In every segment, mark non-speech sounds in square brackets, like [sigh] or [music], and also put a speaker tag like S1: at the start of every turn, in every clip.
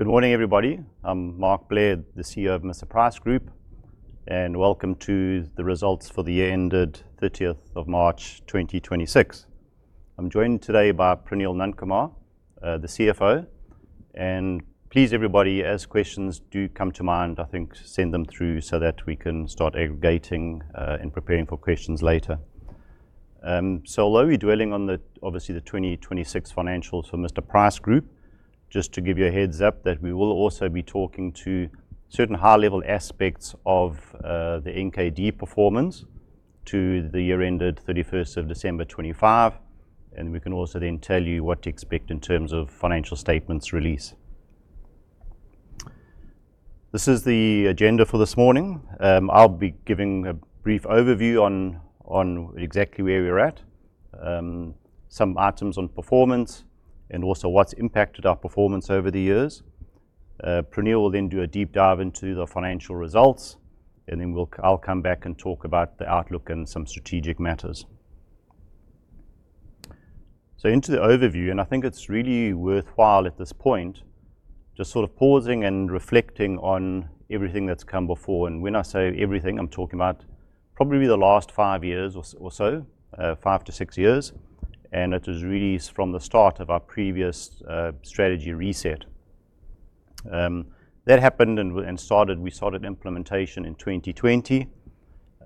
S1: Good morning, everybody. I'm Mark Blair, the CEO of Mr Price Group. Welcome to the results for the year ended 30th of March 2026. I'm joined today by Praneel Nundkumar, the CFO. Please, everybody, as questions do come to mind, I think send them through so that we can start aggregating and preparing for questions later. Although we're dwelling on the, obviously, the 2026 financials for Mr Price Group, just to give you a heads up that we will also be talking to certain high-level aspects of the NKD performance to the year ended 31st of December 2025. We can also tell you what to expect in terms of financial statements release. This is the agenda for this morning. I'll be giving a brief overview on exactly where we're at, some items on performance, and also what's impacted our performance over the years. Praneel will then do a deep dive into the financial results, and then I'll come back and talk about the outlook and some strategic matters. Into the overview, and I think it's really worthwhile at this point, just sort of pausing and reflecting on everything that's come before. When I say everything, I'm talking about probably the last five years or so, five to six years, and it is really from the start of our previous strategy reset. We started implementation in 2020,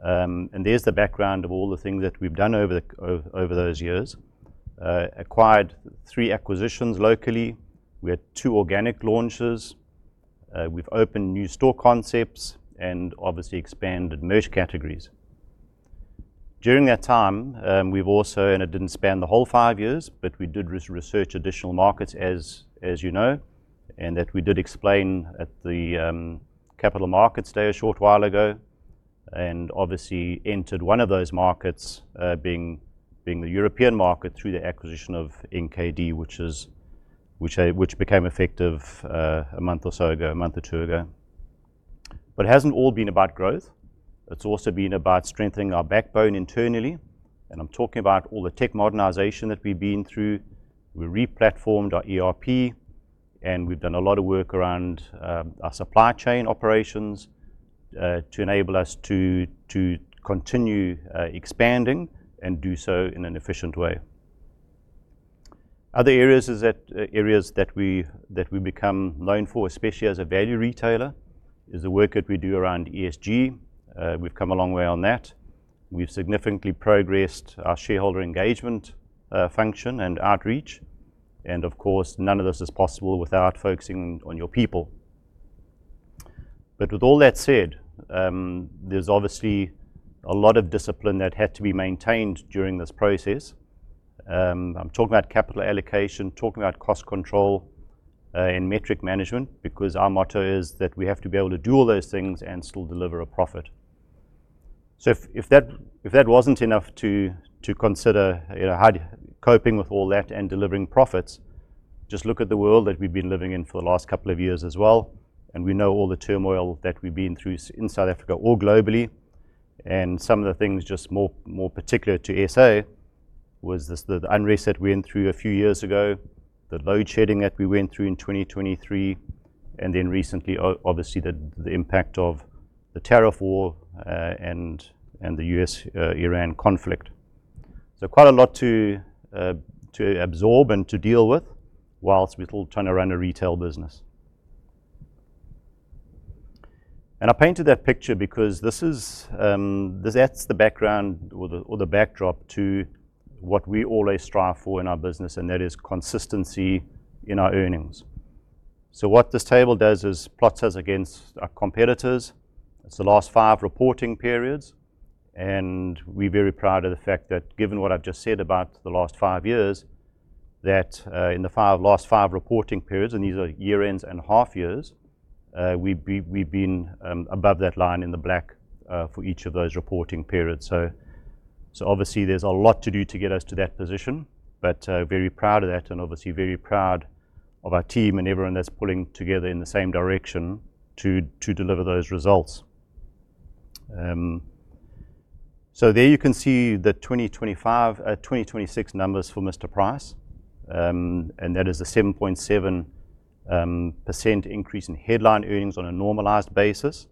S1: and there's the background of all the things that we've done over those years. Acquired three acquisitions locally. We had two organic launches. We've opened new store concepts and obviously expanded merch categories. During that time, we've also, and it didn't span the whole five years, but we did research additional markets as you know, and that we did explain at the Capital Markets Day a short while ago, and obviously entered one of those markets, being the European market through the acquisition of NKD, which became effective a month or so ago, a month or two ago. It hasn't all been about growth. It's also been about strengthening our backbone internally, and I'm talking about all the tech modernization that we've been through. We replatformed our ERP, and we've done a lot of work around our supply chain operations to enable us to continue expanding and do so in an efficient way. Other areas that we've become known for, especially as a value retailer, is the work that we do around ESG. We've come a long way on that. We've significantly progressed our shareholder engagement function and outreach. Of course, none of this is possible without focusing on your people. With all that said, there's obviously a lot of discipline that had to be maintained during this process. I'm talking about capital allocation, talking about cost control and metric management, because our motto is that we have to be able to do all those things and still deliver a profit. If that wasn't enough to consider how coping with all that and delivering profits, just look at the world that we've been living in for the last couple of years as well, and we know all the turmoil that we've been through in South Africa or globally. Some of the things just more particular to SA was the unrest that we went through a few years ago, the load shedding that we went through in 2023, and then recently, obviously, the impact of the tariff war and the U.S.-Iran conflict. Quite a lot to absorb and to deal with whilst we're still trying to run a retail business. I painted that picture because that's the background or the backdrop to what we always strive for in our business, and that is consistency in our earnings. What this table does is plots us against our competitors. It's the last five reporting periods, and we're very proud of the fact that given what I've just said about the last five years, that in the last five reporting periods, and these are year ends and half years, we've been above that line in the black for each of those reporting periods. Obviously there's a lot to do to get us to that position, but very proud of that and obviously very proud of our team and everyone that's pulling together in the same direction to deliver those results. There you can see the 2025-2026 numbers for Mr Price, and that is a 7.7% increase in headline earnings on a normalized basis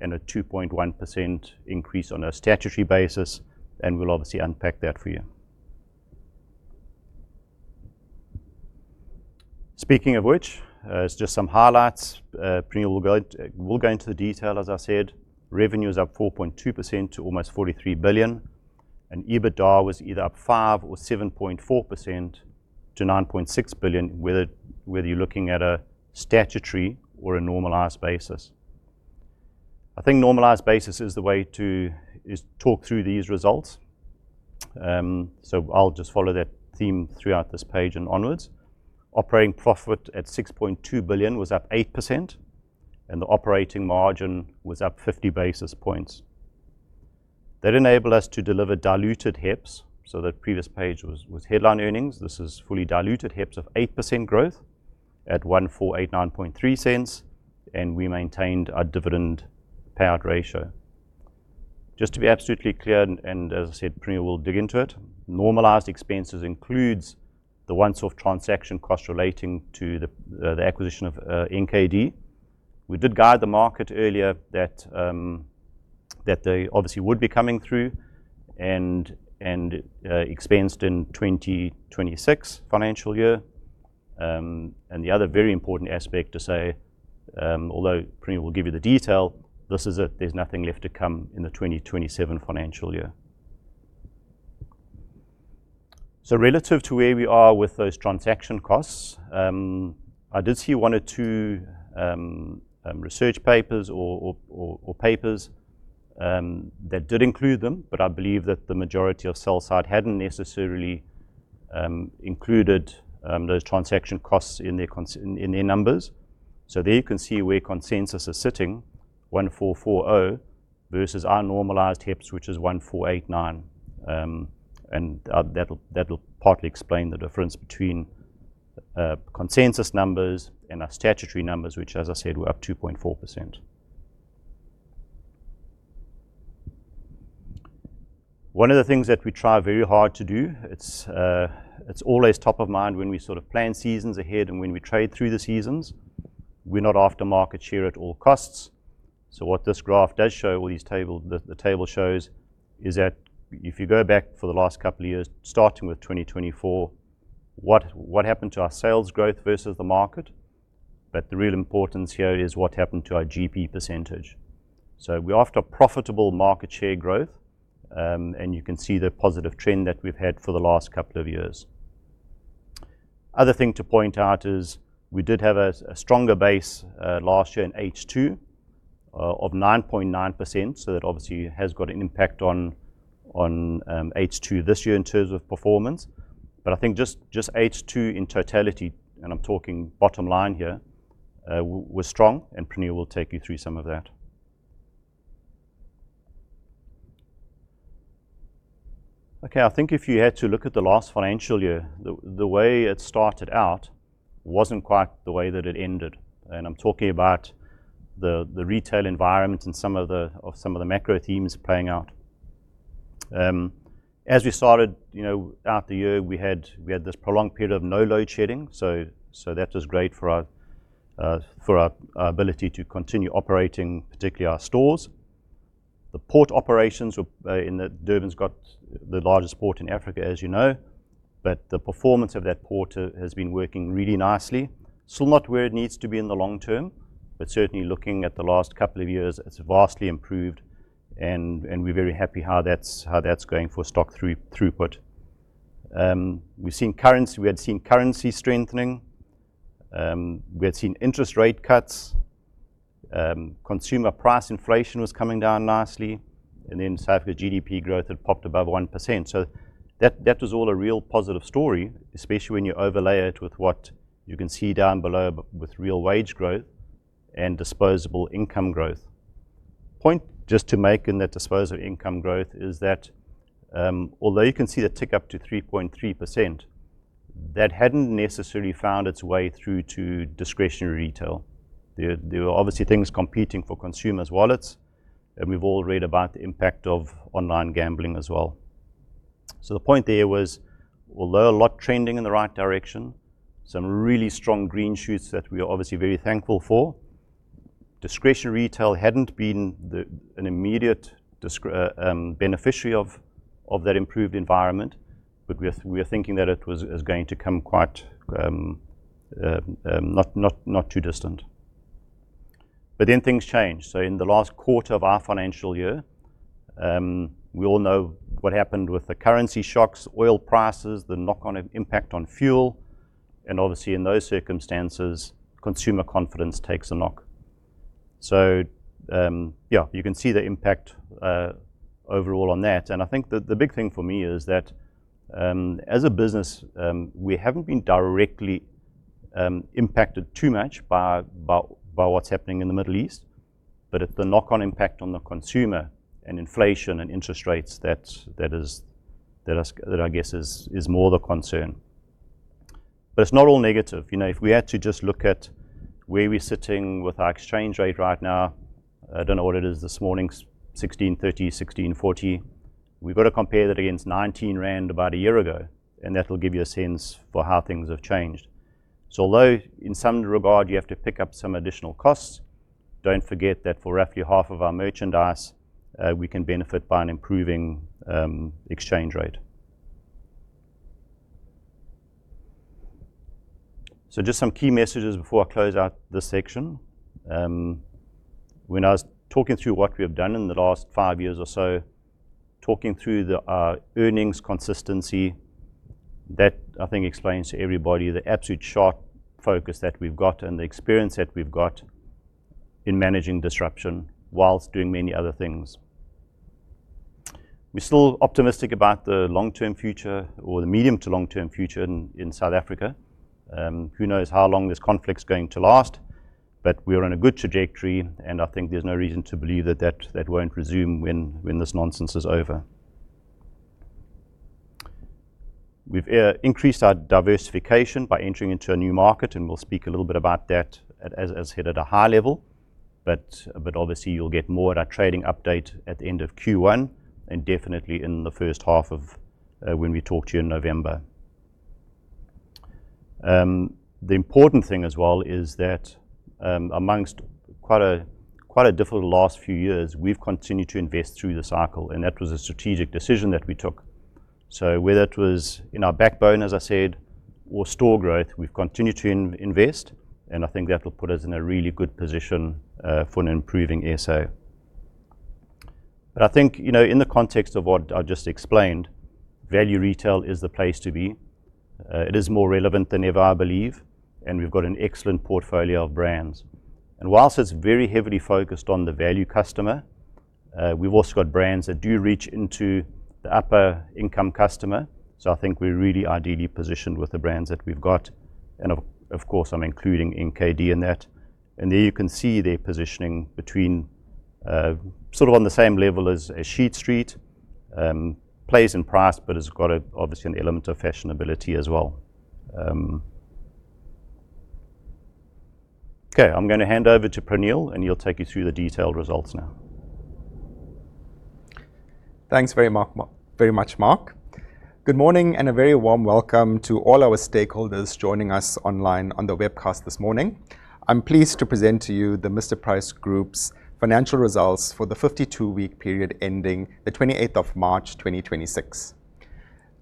S1: and a 2.1% increase on a statutory basis, and we'll obviously unpack that for you. Speaking of which, it's just some highlights. Praneel will go into the detail, as I said. Revenue is up 4.2% to almost 43 billion. EBITDA was either up 5% or 7.4% to 9.6 billion, whether you're looking at a statutory or a normalized basis. I think normalized basis is the way to talk through these results. I'll just follow that theme throughout this page and onwards. Operating profit at 6.2 billion was up 8%. The operating margin was up 50 basis points. That enabled us to deliver diluted HEPS. That previous page was headline earnings. This is fully diluted HEPS of 8% growth at 14.8930. We maintained our dividend payout ratio. Just to be absolutely clear, as I said, Praneel will dig into it, normalized expenses includes the once-off transaction cost relating to the acquisition of NKD. We did guide the market earlier that they obviously would be coming through and expensed in 2026 financial year. The other very important aspect to say, although Praneel will give you the detail, this is it. There's nothing left to come in the 2027 financial year. Relative to where we are with those transaction costs, I did see one or two research papers, or papers that did include them, but I believe that the majority of sell side hadn't necessarily included those transaction costs in their numbers. There you can see where consensus is sitting, 1,440 versus our normalized HEPS, which is 1,489. That'll partly explain the difference between consensus numbers and our statutory numbers, which as I said, were up 2.4%. One of the things that we try very hard to do, it's always top of mind when we sort of plan seasons ahead and when we trade through the seasons. We're not after market share at all costs. What this graph does show, the table shows, is that if you go back for the last couple of years, starting with 2024, what happened to our sales growth versus the market? The real importance here is what happened to our GP percentage. We're after profitable market share growth, and you can see the positive trend that we've had for the last couple of years. Other thing to point out is we did have a stronger base last year in H2 of 9.9%, that obviously has got an impact on H2 this year in terms of performance. I think just H2 in totality, and I'm talking bottom line here, was strong, and Praneel will take you through some of that. Okay. I think if you had to look at the last financial year, the way it started out wasn't quite the way that it ended, and I'm talking about the retail environment and some of the macro themes playing out. As we started out the year, we had this prolonged period of no load shedding. That was great for our ability to continue operating, particularly our stores. The port operations, Durban's got the largest port in Africa, as you know, but the performance of that port has been working really nicely. Still not where it needs to be in the long term, but certainly looking at the last couple of years, it's vastly improved, and we're very happy how that's going for stock throughput. We had seen currency strengthening. We had seen interest rate cuts. Consumer price inflation was coming down nicely. South GDP growth had popped above 1%. That was all a real positive story, especially when you overlay it with what you can see down below with real wage growth and disposable income growth. Point just to make in that disposable income growth is that, although you can see the tick up to 3.3%, that hadn't necessarily found its way through to discretionary retail. There were obviously things competing for consumers' wallets, and we've all read about the impact of online gambling as well. The point there was, although a lot trending in the right direction, some really strong green shoots that we are obviously very thankful for. Discretionary retail hadn't been an immediate beneficiary of that improved environment, we are thinking that it was going to come quite not too distant. Things changed. In the last quarter of our financial year, we all know what happened with the currency shocks, oil prices, the knock-on impact on fuel. Obviously, in those circumstances, consumer confidence takes a knock. You can see the impact overall on that. I think the big thing for me is that, as a business, we haven't been directly impacted too much by what's happening in the Middle East. The knock-on impact on the consumer and inflation and interest rates, that I guess is more the concern. It's not all negative. If we had to just look at where we're sitting with our exchange rate right now, I don't know what it is this morning, 16.30- 16.40. We've got to compare that against 19 rand about a year ago. That'll give you a sense for how things have changed. Although in some regard you have to pick up some additional costs, don't forget that for roughly half of our merchandise, we can benefit by an improving exchange rate. Just some key messages before I close out this section. When I was talking through what we have done in the last five years or so, talking through our earnings consistency, that I think explains to everybody the absolute sharp focus that we've got and the experience that we've got in managing disruption whilst doing many other things. We're still optimistic about the long-term future or the medium- to long-term future in South Africa. Who knows how long this conflict's going to last? We are on a good trajectory, and I think there's no reason to believe that that won't resume when this nonsense is over. We've increased our diversification by entering into a new market, and we'll speak a little bit about that at a high level. Obviously you'll get more at our trading update at the end of Q1, and definitely in the first half of when we talk to you in November. The important thing as well is that, amongst quite a difficult last few years, we've continued to invest through the cycle, and that was a strategic decision that we took. Whether it was in our backbone, as I said, or store growth, we've continued to invest, and I think that will put us in a really good position for an improving SA. I think, in the context of what I just explained, value retail is the place to be. It is more relevant than ever, I believe, and we've got an excellent portfolio of brands. Whilst it's very heavily focused on the value customer, we've also got brands that do reach into the upper income customer. I think we're really ideally positioned with the brands that we've got, and of course, I'm including NKD in that. There you can see their positioning between sort of on the same level as a Sheet Street, plays in price, but has got obviously an element of fashionability as well. Okay, I'm going to hand over to Praneel, and he'll take you through the detailed results now.
S2: Thanks very much, Mark. Good morning and a very warm welcome to all our stakeholders joining us online on the webcast this morning. I'm pleased to present to you the Mr Price Group's financial results for the 52-week period ending the 28th of March 2026.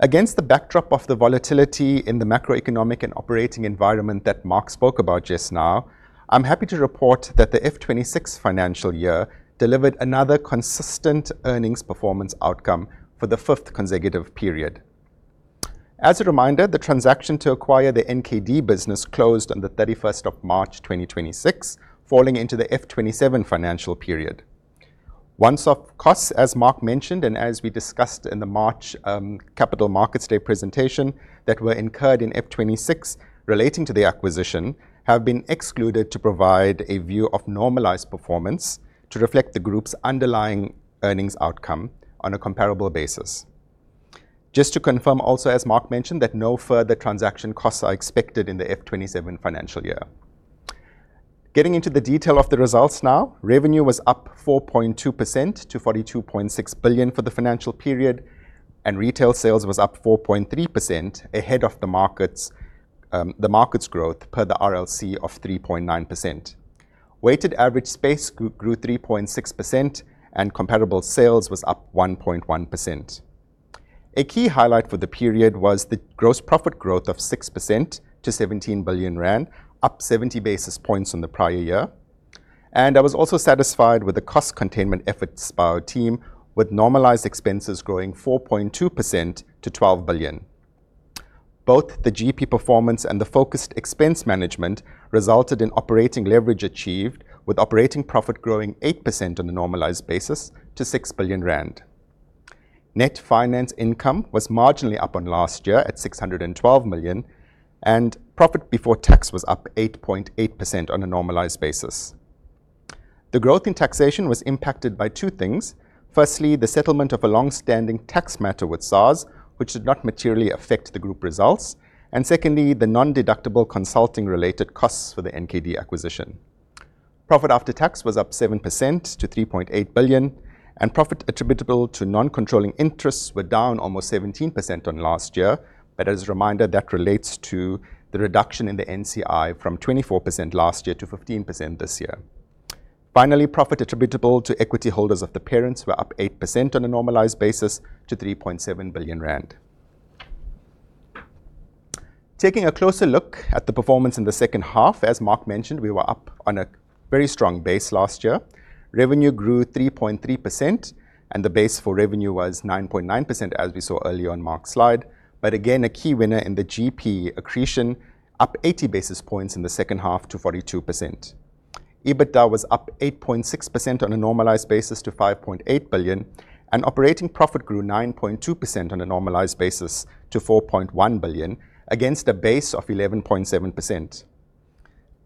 S2: Against the backdrop of the volatility in the macroeconomic and operating environment that Mark spoke about just now, I'm happy to report that the F 2026 financial year delivered another consistent earnings performance outcome for the fifth consecutive period. As a reminder, the transaction to acquire the NKD business closed on the 31st of March 2026, falling into the F 2027 financial period. Once-off costs, as Mark mentioned, and as we discussed in the March Capital Markets Day presentation that were incurred in F 2026 relating to the acquisition have been excluded to provide a view of normalized performance to reflect the group's underlying earnings outcome on a comparable basis. Just to confirm also, as Mark mentioned, that no further transaction costs are expected in the F 2027 financial year. Getting into the detail of the results now, revenue was up 4.2% to 42.6 billion for the financial period, and retail sales was up 4.3% ahead of the market's growth per the RLC of 3.9%. Weighted average space grew 3.6%, and comparable sales was up 1.1%. A key highlight for the period was the gross profit growth of 6% to 17 billion rand, up 70 basis points on the prior year. I was also satisfied with the cost containment efforts by our team, with normalized expenses growing 4.2% to 12 billion. Both the GP performance and the focused expense management resulted in operating leverage achieved with operating profit growing 8% on a normalized basis to 6 billion rand. Net finance income was marginally up on last year at 612 million, and profit before tax was up 8.8% on a normalized basis. The growth in taxation was impacted by two things. Firstly, the settlement of a long-standing tax matter with SARS, which did not materially affect the group results, and secondly, the non-deductible consulting related costs for the NKD acquisition. Profit after tax was up 7% to 3.8 billion, and profit attributable to non-controlling interests were down almost 17% on last year. As a reminder, that relates to the reduction in the NCI from 24% last year to 15% this year. Profit attributable to equity holders of the parents were up 8% on a normalized basis to 3.7 billion rand. Taking a closer look at the performance in the second half, as Mark mentioned, we were up on a very strong base last year. Revenue grew 3.3%, the base for revenue was 9.9%, as we saw earlier on Mark's slide. Again, a key winner in the GP accretion, up 80 basis points in the second half to 42%. EBITDA was up 8.6% on a normalized basis to 5.8 billion, and operating profit grew 9.2% on a normalized basis to 4.1 billion against a base of 11.7%.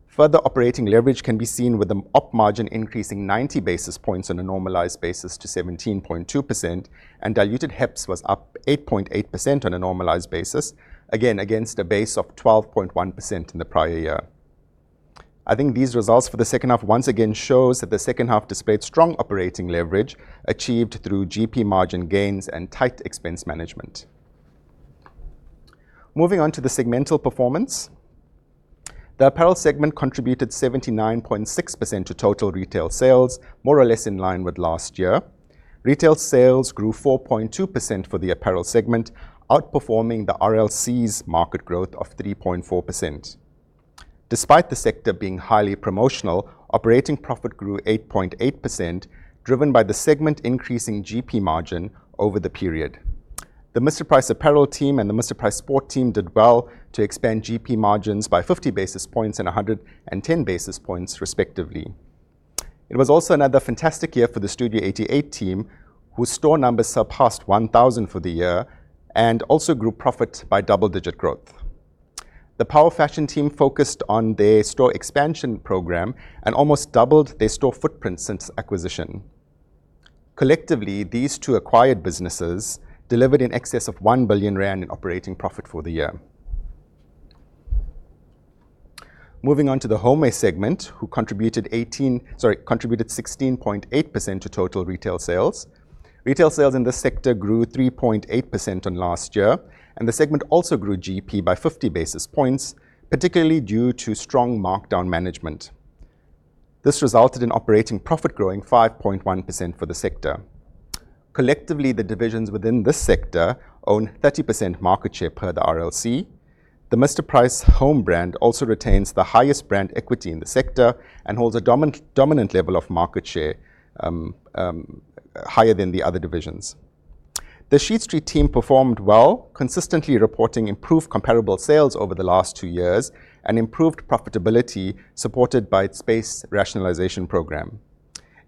S2: Further operating leverage can be seen with the op margin increasing 90 basis points on a normalized basis to 17.2%, and diluted HEPS was up 8.8% on a normalized basis, again, against a base of 12.1% in the prior year. I think these results for the second half, once again, shows that the second half displayed strong operating leverage achieved through GP margin gains and tight expense management. Moving on to the segmental performance. The Apparel segment contributed 79.6% to total retail sales, more or less in line with last year. Retail sales grew 4.2% for the Apparel segment, outperforming the RLC's market growth of 3.4%. Despite the sector being highly promotional, operating profit grew 8.8%, driven by the segment increasing GP margin over the period. The Mr Price Apparel team and the Mr Price Sport team did well to expand GP margins by 50 basis points and 110 basis points, respectively. It was also another fantastic year for the Studio 88 team, whose store numbers surpassed 1,000 for the year and also grew profit by double-digit growth. The Power Fashion team focused on their store expansion program and almost doubled their store footprint since acquisition. Collectively, these two acquired businesses delivered in excess of 1 billion rand in operating profit for the year. Moving on to the Homeware segment, who contributed 16.8% to total retail sales. Retail sales in this sector grew 3.8% on last year, and the segment also grew GP by 50 basis points, particularly due to strong markdown management. This resulted in operating profit growing 5.1% for the sector. Collectively, the divisions within this sector own 30% market share per the RLC. The Mr Price Home brand also retains the highest brand equity in the sector and holds a dominant level of market share, higher than the other divisions. The Sheet Street team performed well, consistently reporting improved comparable sales over the last two years and improved profitability supported by its space rationalization program.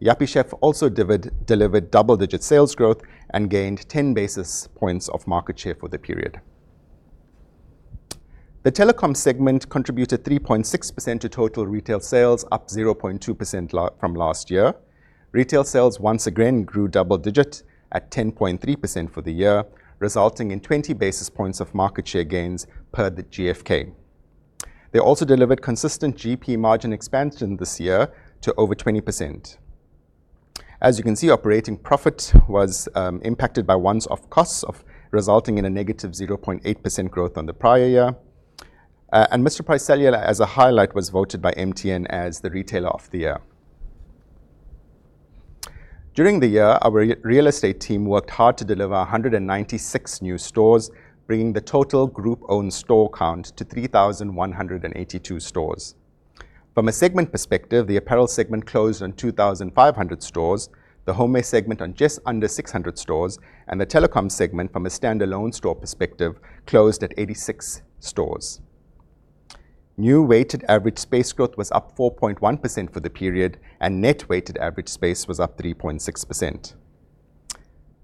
S2: Yuppiechef also delivered double-digit sales growth and gained 10 basis points of market share for the period. The Telecom segment contributed 3.6% to total retail sales, up 0.2% from last year. Retail sales once again grew double digits at 10.3% for the year, resulting in 20 basis points of market share gains per the GfK. They also delivered consistent GP margin expansion this year to over 20%. As you can see, operating profit was impacted by once-off costs, resulting in a -0.8% growth on the prior year. Mr Price Cellular, as a highlight, was voted by MTN as the Retailer of the year. During the year, our real estate team worked hard to deliver 196 new stores, bringing the total group-owned store count to 3,182 stores. From a segment perspective, the Apparel segment closed on 2,500 stores, the Homeware segment on just under 600 stores, and the Telecom segment, from a standalone store perspective, closed at 86 stores. New weighted average space growth was up 4.1% for the period, and net weighted average space was up 3.6%.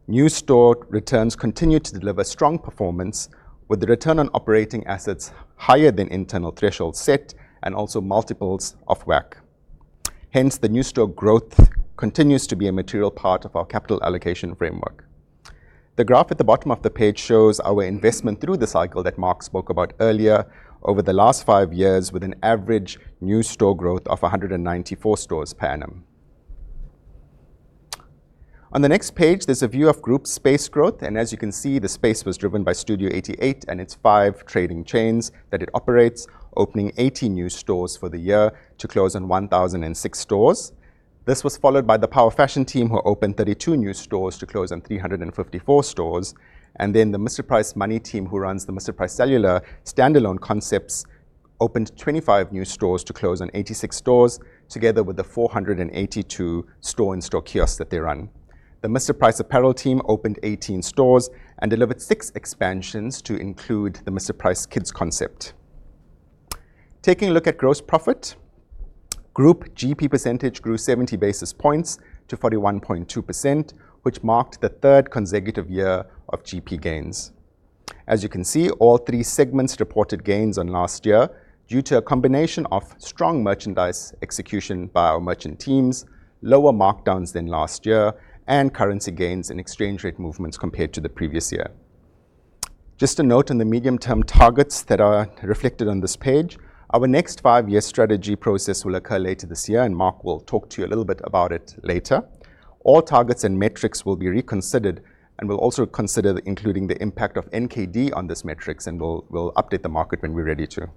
S2: New store returns continued to deliver strong performance with the return on operating assets higher than internal thresholds set and also multiples of WACC. The new store growth continues to be a material part of our capital allocation framework. The graph at the bottom of the page shows our investment through the cycle that Mark spoke about earlier, over the last five years, with an average new store growth of 194 stores per annum. As you can see, the space was driven by Studio 88 and its five trading chains that it operates, opening 80 new stores for the year to close on 1,006 stores. This was followed by the Power Fashion team, who opened 32 new stores to close on 354 stores. The Mr Price Money team, who runs the Mr Price Cellular standalone concepts, opened 25 new stores to close on 86 stores, together with the 482 store-in-store kiosks that they run. The Mr Price Apparel team opened 18 stores and delivered six expansions to include the Mr Price Kids concept. Taking a look at gross profit, group GP percentage grew 70 basis points to 41.2%, which marked the third consecutive year of GP gains. As you can see, all three segments reported gains on last year due to a combination of strong merchandise execution by our merchant teams, lower markdowns than last year, and currency gains and exchange rate movements compared to the previous year. Just a note on the medium-term targets that are reflected on this page. Our next five-year strategy process will occur later this year, and Mark will talk to you a little bit about it later. All targets and metrics will be reconsidered, and we'll also consider including the impact of NKD on these metrics, and we'll update the market when we're ready to.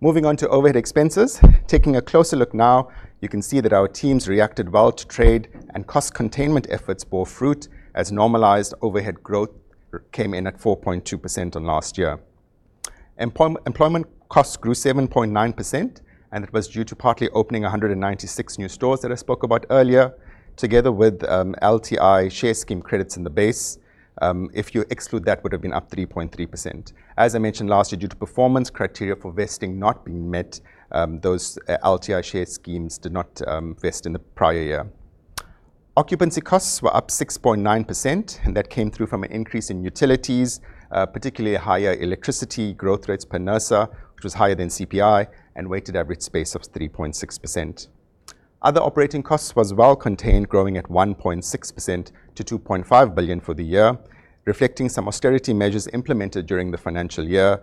S2: Moving on to overhead expenses. Taking a closer look now, you can see that our teams reacted well to trade and cost containment efforts bore fruit as normalized overhead growth came in at 4.2% on last year. Employment costs grew 7.9%. It was due to partly opening 196 new stores that I spoke about earlier, together with LTI share scheme credits in the base. If you exclude that, it would have been up 3.3%. As I mentioned last year, due to performance criteria for vesting not being met, those LTI share schemes did not vest in the prior year. Occupancy costs were up 6.9%. That came through from an increase in utilities, particularly higher electricity growth rates per NERSA, which was higher than CPI, and weighted average space of 3.6%. Other operating costs was well contained, growing at 1.6% to 2.5 billion for the year, reflecting some austerity measures implemented during the financial year,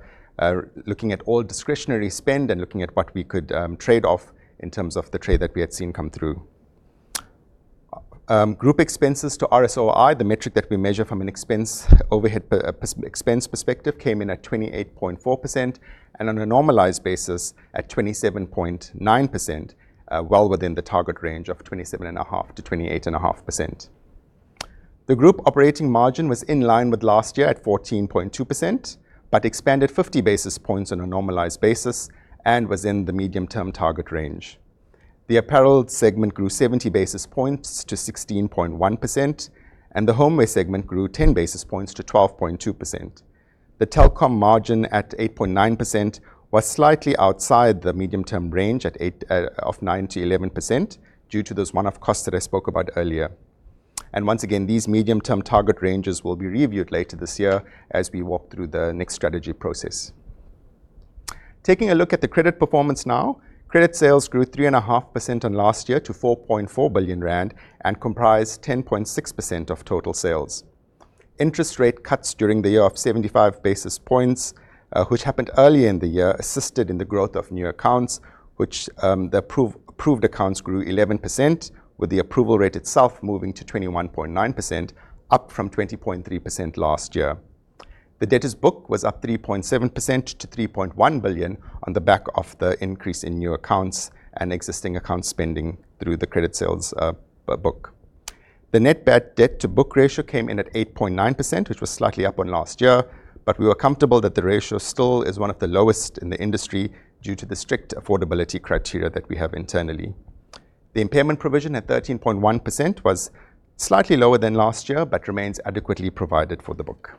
S2: looking at all discretionary spend and looking at what we could trade off in terms of the trade that we had seen come through. Group expenses to RSOI, the metric that we measure from an overhead expense perspective, came in at 28.4% and on a normalized basis at 27.9%, well within the target range of 27.5%-28.5%. The Group operating margin was in line with last year at 14.2% but expanded 50 basis points on a normalized basis and was in the medium-term target range. The Apparel segment grew 70 basis points to 16.1%, and the Homeware segment grew 10 basis points to 12.2%. The Telecom margin at 8.9% was slightly outside the medium-term range of 9%-11% due to those one-off costs that I spoke about earlier. Once again, these medium-term target ranges will be reviewed later this year as we walk through the next strategy process. Taking a look at the credit performance now, credit sales grew 3.5% on last year to 4.4 billion rand and comprised 10.6% of total sales. Interest rate cuts during the year of 75 basis points, which happened early in the year, assisted in the growth of new accounts, which the approved accounts grew 11%, with the approval rate itself moving to 21.9%, up from 20.3% last year. The debtors book was up 3.7% to 3.1 billion on the back of the increase in new accounts and existing account spending through the credit sales book. The net bad debt-to-book ratio came in at 8.9%, which was slightly up on last year, but we were comfortable that the ratio still is one of the lowest in the industry due to the strict affordability criteria that we have internally. The impairment provision at 13.1% was slightly lower than last year, but remains adequately provided for the book.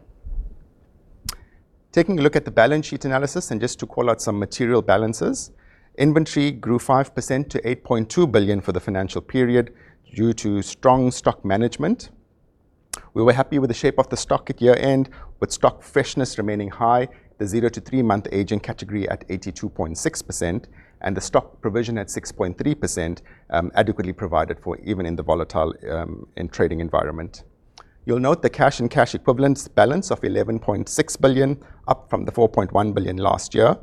S2: Taking a look at the balance sheet analysis and just to call out some material balances. Inventory grew 5% to 8.2 billion for the financial period due to strong stock management. We were happy with the shape of the stock at year-end, with stock freshness remaining high, the zero- to three-month aging category at 82.6%, and the stock provision at 6.3% adequately provided for even in the volatile trading environment. You'll note the cash and cash equivalents balance of 11.6 billion, up from the 4.1 billion last year.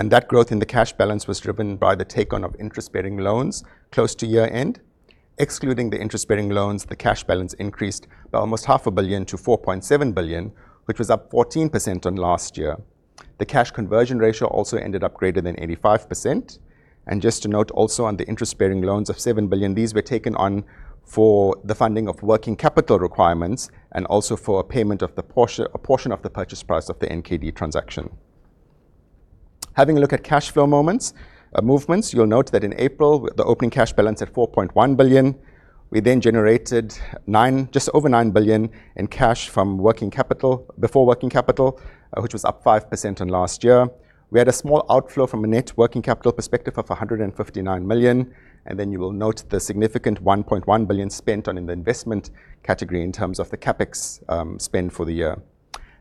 S2: That growth in the cash balance was driven by the take-on of interest-bearing loans close to year-end. Excluding the interest-bearing loans, the cash balance increased by almost 500 million to 4.7 billion, which was up 14% on last year. The cash conversion ratio also ended up greater than 85%. Just to note also on the interest-bearing loans of 7 billion, these were taken on for the funding of working capital requirements and also for payment of a portion of the purchase price of the NKD transaction. Having a look at cash flow movements, you'll note that in April, the opening cash balance at 4.1 billion, we then generated just over 9 billion in cash from before working capital, which was up 5% on last year. We had a small outflow from a net working capital perspective of 159 million. You will note the significant 1.1 billion spent on in the investment category in terms of the CapEx spend for the year.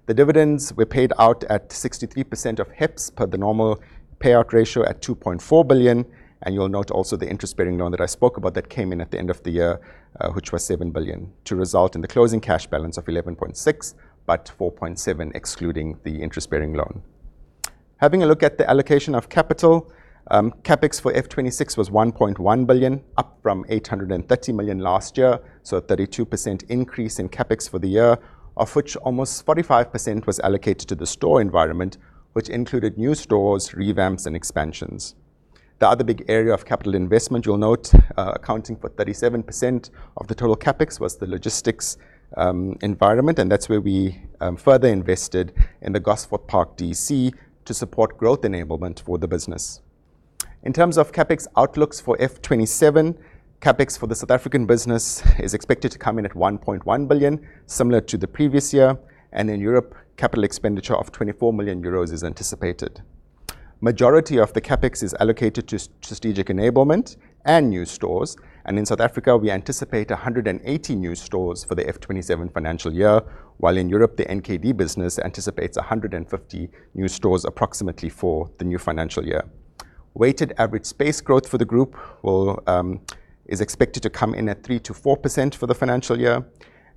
S2: The dividends were paid out at 63% of HEPS per the normal payout ratio at 2.4 billion. You will note also the interest-bearing loan that I spoke about that came in at the end of the year, which was 7 billion, to result in the closing cash balance of 11.6 billion, but 4.7 billion excluding the interest-bearing loan. Having a look at the allocation of capital, CapEx for F 2026 was 1.1 billion, up from 830 million last year, a 32% increase in CapEx for the year, of which almost 45% was allocated to the store environment, which included new stores, revamps, and expansions. The other big area of capital investment, you'll note, accounting for 37% of the total CapEx, was the logistics environment, and that's where we further invested in the Gosforth Park DC to support growth enablement for the business. In terms of CapEx outlooks for F 2027, CapEx for the South African business is expected to come in at 1.1 billion, similar to the previous year, and in Europe, capital expenditure of 24 million euros is anticipated. Majority of the CapEx is allocated to strategic enablement and new stores, and in South Africa, we anticipate 180 new stores for the F 2027 financial year, while in Europe, the NKD business anticipates 150 new stores approximately for the new financial year. Weighted average space growth for the group is expected to come in at 3%-4% for the financial year,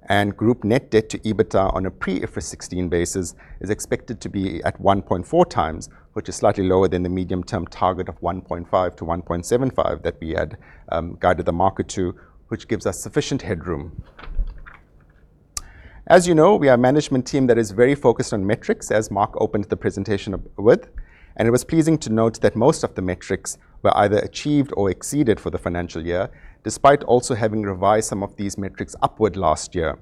S2: and group net debt-to-EBITDA on a pre-IFRS 16 basis is expected to be at 1.4x, which is slightly lower than the medium-term target of 1.5x-1.75x that we had guided the market to, which gives us sufficient headroom. As you know, we are a management team that is very focused on metrics, as Mark opened the presentation with, and it was pleasing to note that most of the metrics were either achieved or exceeded for the financial year, despite also having revised some of these metrics upward last year.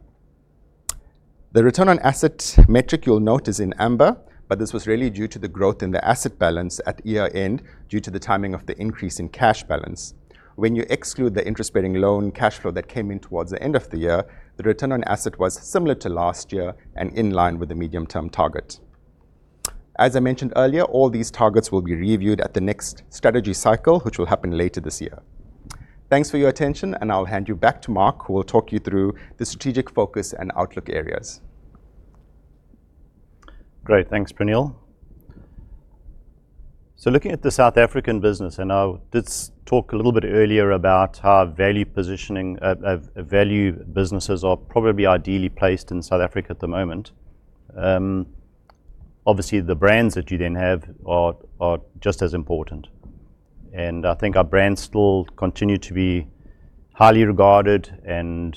S2: The return on asset metric you'll note is in amber, but this was really due to the growth in the asset balance at year-end due to the timing of the increase in cash balance. When you exclude the interest-bearing loan cash flow that came in towards the end of the year, the return on asset was similar to last year and in line with the medium-term target. As I mentioned earlier, all these targets will be reviewed at the next strategy cycle, which will happen later this year. Thanks for your attention, and I'll hand you back to Mark, who will talk you through the strategic focus and outlook areas.
S1: Great. Thanks, Praneel. Looking at the South African business, and I did talk a little bit earlier about how value businesses are probably ideally placed in South Africa at the moment. Obviously, the brands that you then have are just as important, and I think our brands still continue to be highly regarded and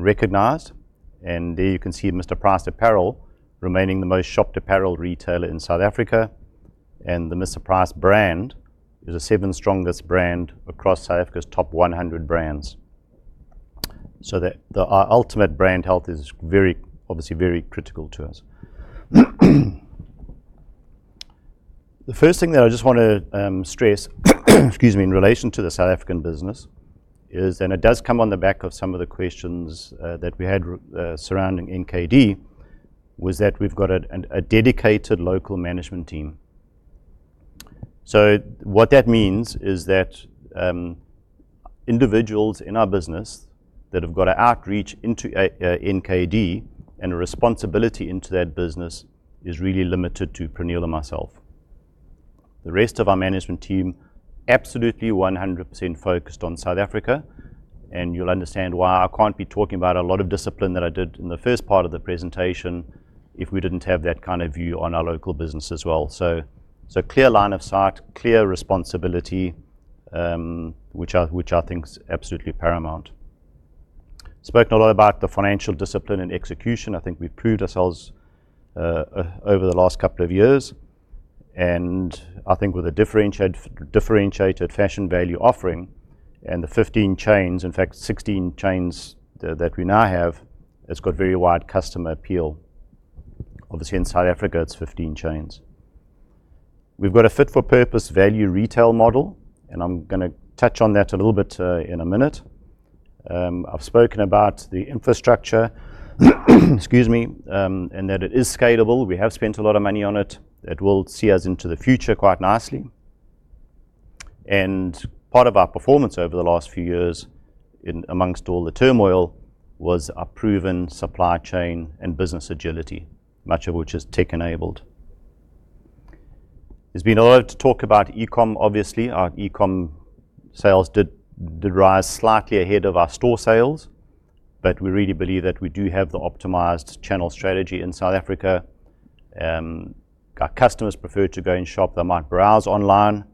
S1: recognized. There you can see Mr Price Apparel remaining the most shopped apparel retailer in South Africa, and the Mr Price brand is the seventh strongest brand across South Africa's top 100 brands. Our ultimate brand health is obviously very critical to us. The first thing that I just want to stress in relation to the South African business is, and it does come on the back of some of the questions that we had surrounding NKD, was that we've got a dedicated local management team. What that means is that individuals in our business that have got an outreach into NKD and a responsibility into that business is really limited to Praneel and myself. The rest of our management team, absolutely 100% focused on South Africa. You'll understand why I can't be talking about a lot of discipline that I did in the first part of the presentation if we didn't have that kind of view on our local business as well. Clear line of sight, clear responsibility, which I think is absolutely paramount. Spoken a lot about the financial discipline and execution. I think we've proved ourselves over the last couple of years. I think with a differentiated fashion-value offering and the 15 chains, in fact 16 chains that we now have, it's got very wide customer appeal. Obviously, in South Africa, it's 15 chains. We've got a fit-for-purpose value retail model, and I'm going to touch on that a little bit in a minute. I've spoken about the infrastructure and that it is scalable. We have spent a lot of money on it, that will see us into the future quite nicely. Part of our performance over the last few years amongst all the turmoil was a proven supply chain and business agility, much of which is tech enabled. There's been a lot of talk about e-com, obviously. Our e-com sales did rise slightly ahead of our store sales. We really believe that we do have the optimized channel strategy in South Africa. Our customers prefer to go and shop. They might browse online.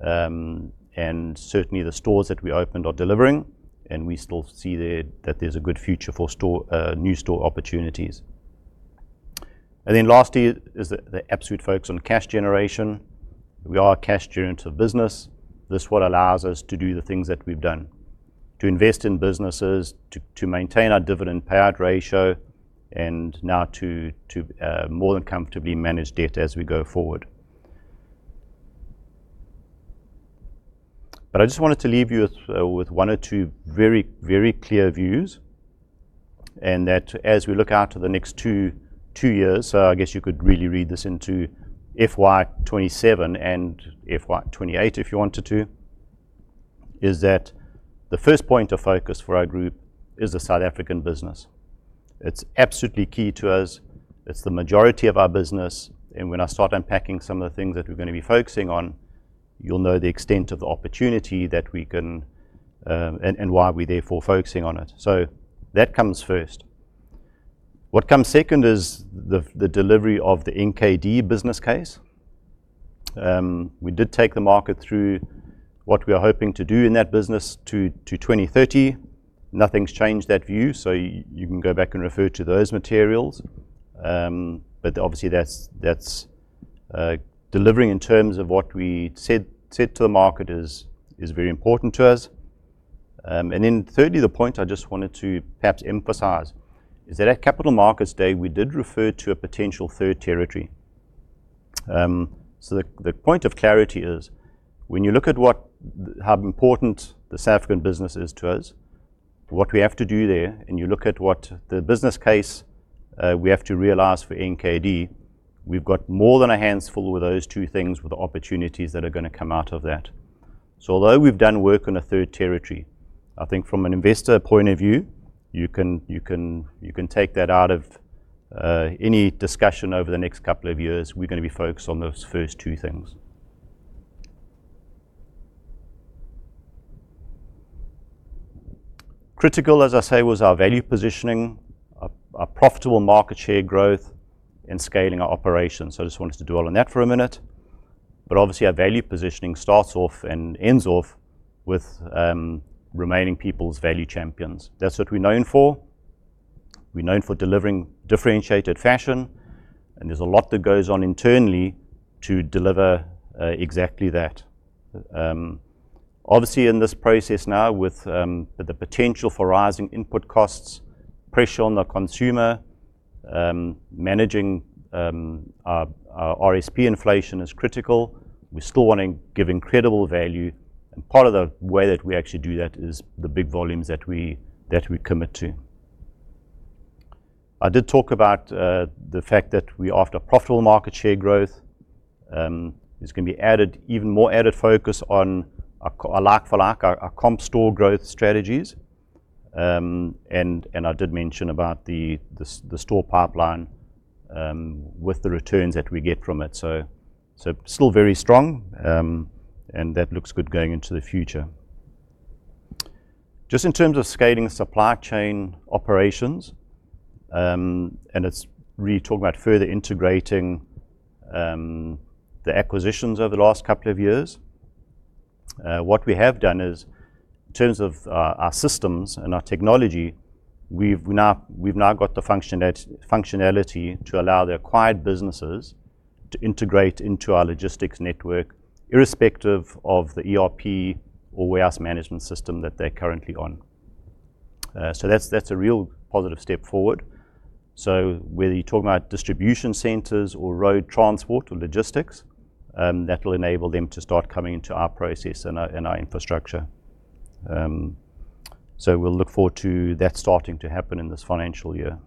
S1: Certainly, the stores that we opened are delivering, and we still see that there's a good future for new store opportunities. Lastly is the absolute focus on cash generation. We are a cash generative business. This is what allows us to do the things that we've done, to invest in businesses, to maintain our dividend payout ratio, and now to more than comfortably manage debt as we go forward. I just wanted to leave you with one or two very clear views, and that as we look out to the next two years, so I guess you could really read this into FY 2027 and FY 2028 if you wanted to, is that the first point of focus for our group is the South African business. It's absolutely key to us. It's the majority of our business. When I start unpacking some of the things that we're going to be focusing on, you'll know the extent of the opportunity that we can and why we're therefore focusing on it. That comes first. What comes second is the delivery of the NKD business case. We did take the market through what we are hoping to do in that business to 2030. Nothing's changed that view, so you can go back and refer to those materials. Obviously that's delivering in terms of what we said to the market is very important to us. Thirdly, the point I just wanted to perhaps emphasize is that at Capital Markets Day, we did refer to a potential third territory. The point of clarity is when you look at how important the South African business is to us, what we have to do there, and you look at what the business case we have to realize for NKD, we've got more than our hands full with those two things with the opportunities that are going to come out of that. Although we've done work on a third territory, I think from an investor point of view, you can take that out of any discussion over the next couple of years. We're going to be focused on those first two things. Critical, as I say, was our value positioning, our profitable market share growth, and scaling our operations. I just wanted to dwell on that for a minute. Obviously our value positioning starts off and ends off with remaining people's value champions. That's what we're known for. We're known for delivering differentiated fashion, and there's a lot that goes on internally to deliver exactly that. Obviously, in this process now with the potential for rising input costs, pressure on the consumer, managing our RSP inflation is critical. We still want to give incredible value, and part of the way that we actually do that is the big volumes that we commit to. I did talk about the fact that we offered a profitable market share growth. There's going to be even more added focus on a like-for-like, our comp store growth strategies. I did mention about the store pipeline with the returns that we get from it. Still very strong, and that looks good going into the future. Just in terms of scaling supply chain operations, and it's really talking about further integrating the acquisitions over the last couple of years. What we have done is, in terms of our systems and our technology, we've now got the functionality to allow the acquired businesses to integrate into our logistics network irrespective of the ERP or warehouse management system that they're currently on. That's a real positive step forward. Whether you're talking about distribution centers or road transport or logistics, that will enable them to start coming into our process and our infrastructure. We'll look forward to that starting to happen in this financial year.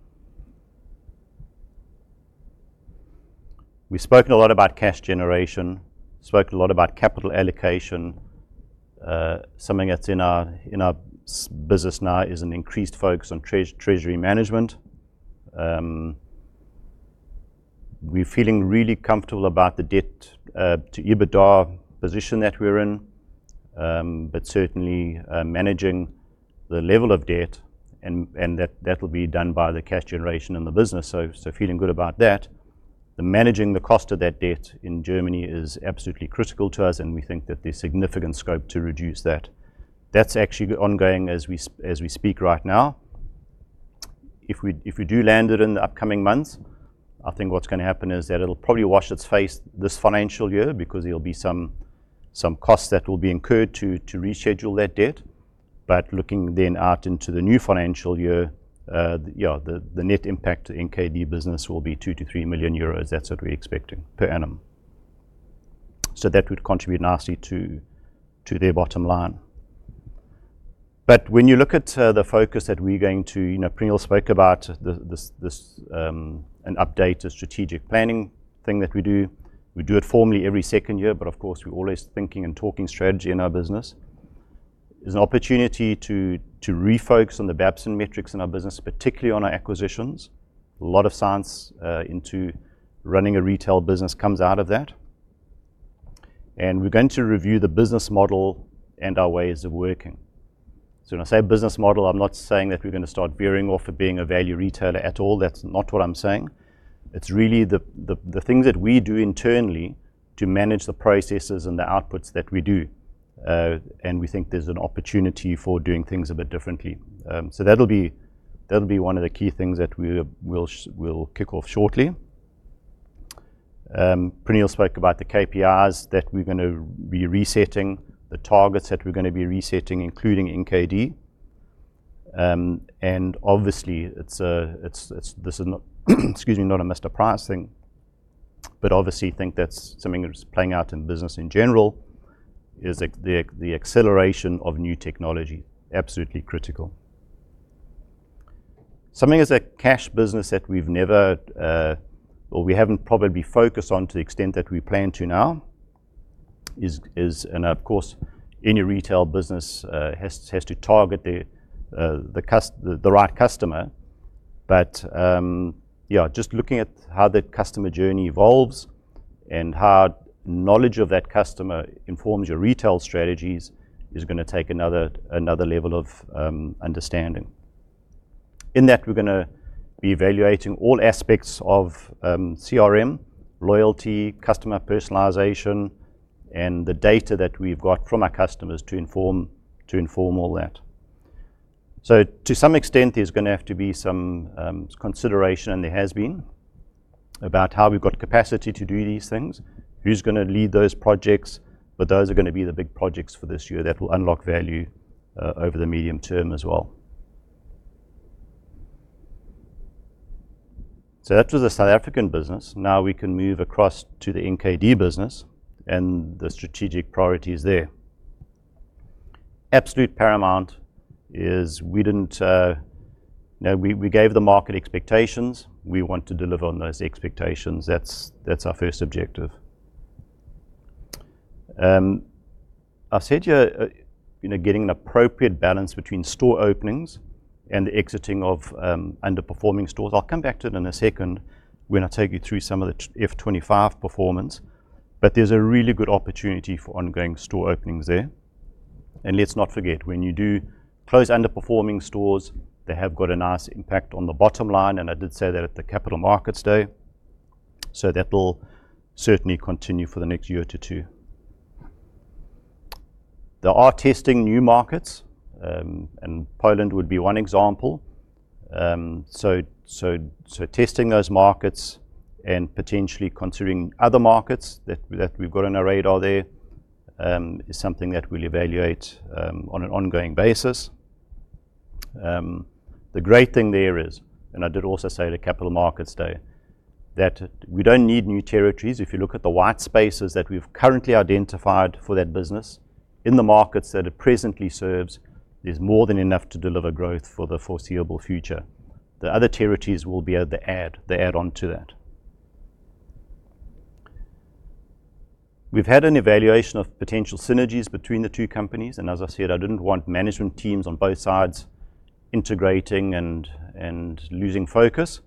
S1: We've spoken a lot about cash generation, spoke a lot about capital allocation. Something that's in our business now is an increased focus on treasury management. We're feeling really comfortable about the debt-to-EBITDA position that we're in, but certainly managing the level of debt, and that'll be done by the cash generation in the business. Feeling good about that. The managing the cost of that debt in Germany is absolutely critical to us, and we think that there's significant scope to reduce that. That's actually ongoing as we speak right now. If we do land it in the upcoming months, I think what's going to happen is that it'll probably wash its face this financial year because there'll be some costs that will be incurred to reschedule that debt. Looking then out into the new financial year, the net impact in NKD business will be 2 million-3 million euros. That's what we're expecting per annum. That would contribute nicely to their bottom line. When you look at the focus that we're going to, you know, Praneel spoke about an update, a strategic planning thing that we do. We do it formally every second year, but of course, we're always thinking and talking strategy in our business. There's an opportunity to refocus on the Babson metrics in our business, particularly on our acquisitions. A lot of science into running a retail business comes out of that. We're going to review the business model and our ways of working. When I say business model, I'm not saying that we're going to start veering off of being a value retailer at all. That's not what I'm saying. It's really the things that we do internally to manage the processes and the outputs that we do. We think there's an opportunity for doing things a bit differently. That'll be one of the key things that we'll kick off shortly. Praneel spoke about the KPIs that we're going to be resetting, the targets that we're going to be resetting, including NKD. Obviously, this is, excuse me, not a Mr Price thing, but obviously think that's something that's playing out in business in general, is the acceleration of new technology absolutely critical. Something as a cash business that we've never, or we haven't probably focused on to the extent that we plan to now. Of course, any retail business has to target the right customer. Just looking at how that customer journey evolves and how knowledge of that customer informs your retail strategies is going to take another level of understanding. In that, we're going to be evaluating all aspects of CRM, loyalty, customer personalization, and the data that we've got from our customers to inform all that. To some extent, there's going to have to be some consideration, and there has been, about how we've got capacity to do these things, who's going to lead those projects, but those are going to be the big projects for this year that will unlock value over the medium term as well. That was the South African business. We can move across to the NKD business and the strategic priorities there. Absolute paramount is we gave the market expectations. We want to deliver on those expectations. That's our first objective. I said you're getting an appropriate balance between store openings and the exiting of underperforming stores. I'll come back to it in a second when I take you through some of the F 2025 performance, but there's a really good opportunity for ongoing store openings there. Let's not forget, when you do close underperforming stores, they have got a nice impact on the bottom line, and I did say that at the Capital Markets Day, so that will certainly continue for the next year to two. Testing new markets, and Poland would be one example. Testing those markets and potentially considering other markets that we've got on our radar there, is something that we'll evaluate on an ongoing basis. The great thing there is, and I did also say at the Capital Markets Day, that we don't need new territories. If you look at the white spaces that we've currently identified for that business in the markets that it presently serves, there's more than enough to deliver growth for the foreseeable future. The other territories will be the add-on to that. We've had an evaluation of potential synergies between the two companies. As I said, I didn't want management teams on both sides integrating and losing focus.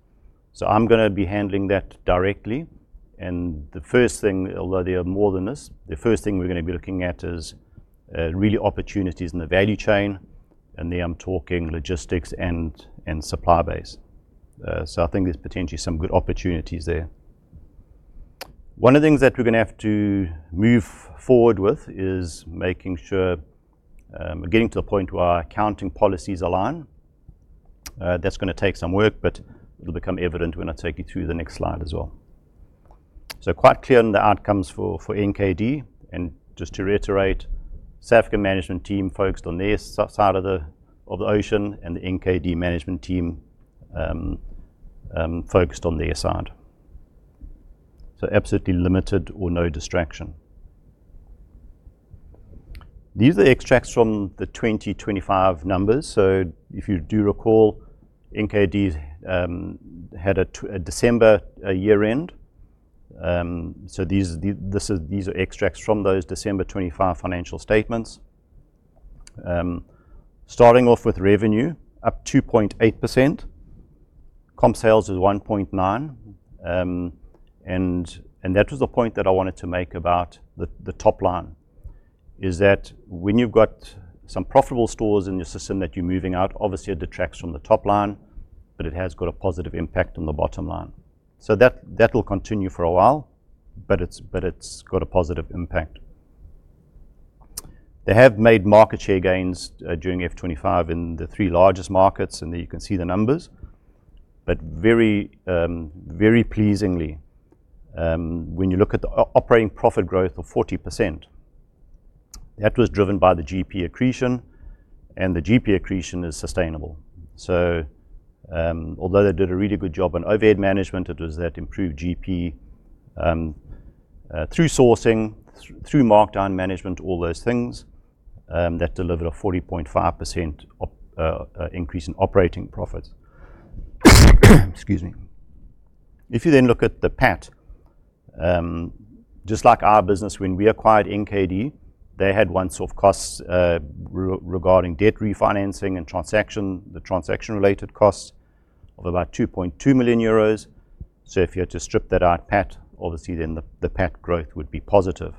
S1: I'm going to be handling that directly. The first thing, although there are more than this, the first thing we're going to be looking at is really opportunities in the value chain, and there I'm talking logistics and supply base. I think there's potentially some good opportunities there. One of the things that we're going to have to move forward with is making sure we're getting to the point where our accounting policies align. That's going to take some work, but it'll become evident when I take you through the next slide as well. Quite clear on the outcomes for NKD, and just to reiterate, South Africa management team focused on their side of the ocean and the NKD management team focused on their side. Absolutely limited or no distraction. These are the extracts from the 2025 numbers. If you do recall, NKD had a December year-end. These are extracts from those December 2025 financial statements. Starting off with revenue, up 2.8%. Comp sales is 1.9%, and that was the point that I wanted to make about the top line, is that when you've got some profitable stores in your system that you're moving out, obviously, it detracts from the top line, but it has got a positive impact on the bottom line. That will continue for a while, but it's got a positive impact. They have made market share gains during F 2025 in the three largest markets, and there you can see the numbers, very pleasingly, when you look at the operating profit growth of 40%, that was driven by the GP accretion, and the GP accretion is sustainable. Although they did a really good job on overhead management, it was that improved GP through sourcing, through markdown management, all those things, that delivered a 40.5% increase in operating profits. Excuse me. If you then look at the PAT, just like our business when we acquired NKD, they had once-off costs regarding debt refinancing and transaction, the transaction-related costs of about 2.2 million euros. If you had to strip that out PAT, obviously the PAT growth would be positive.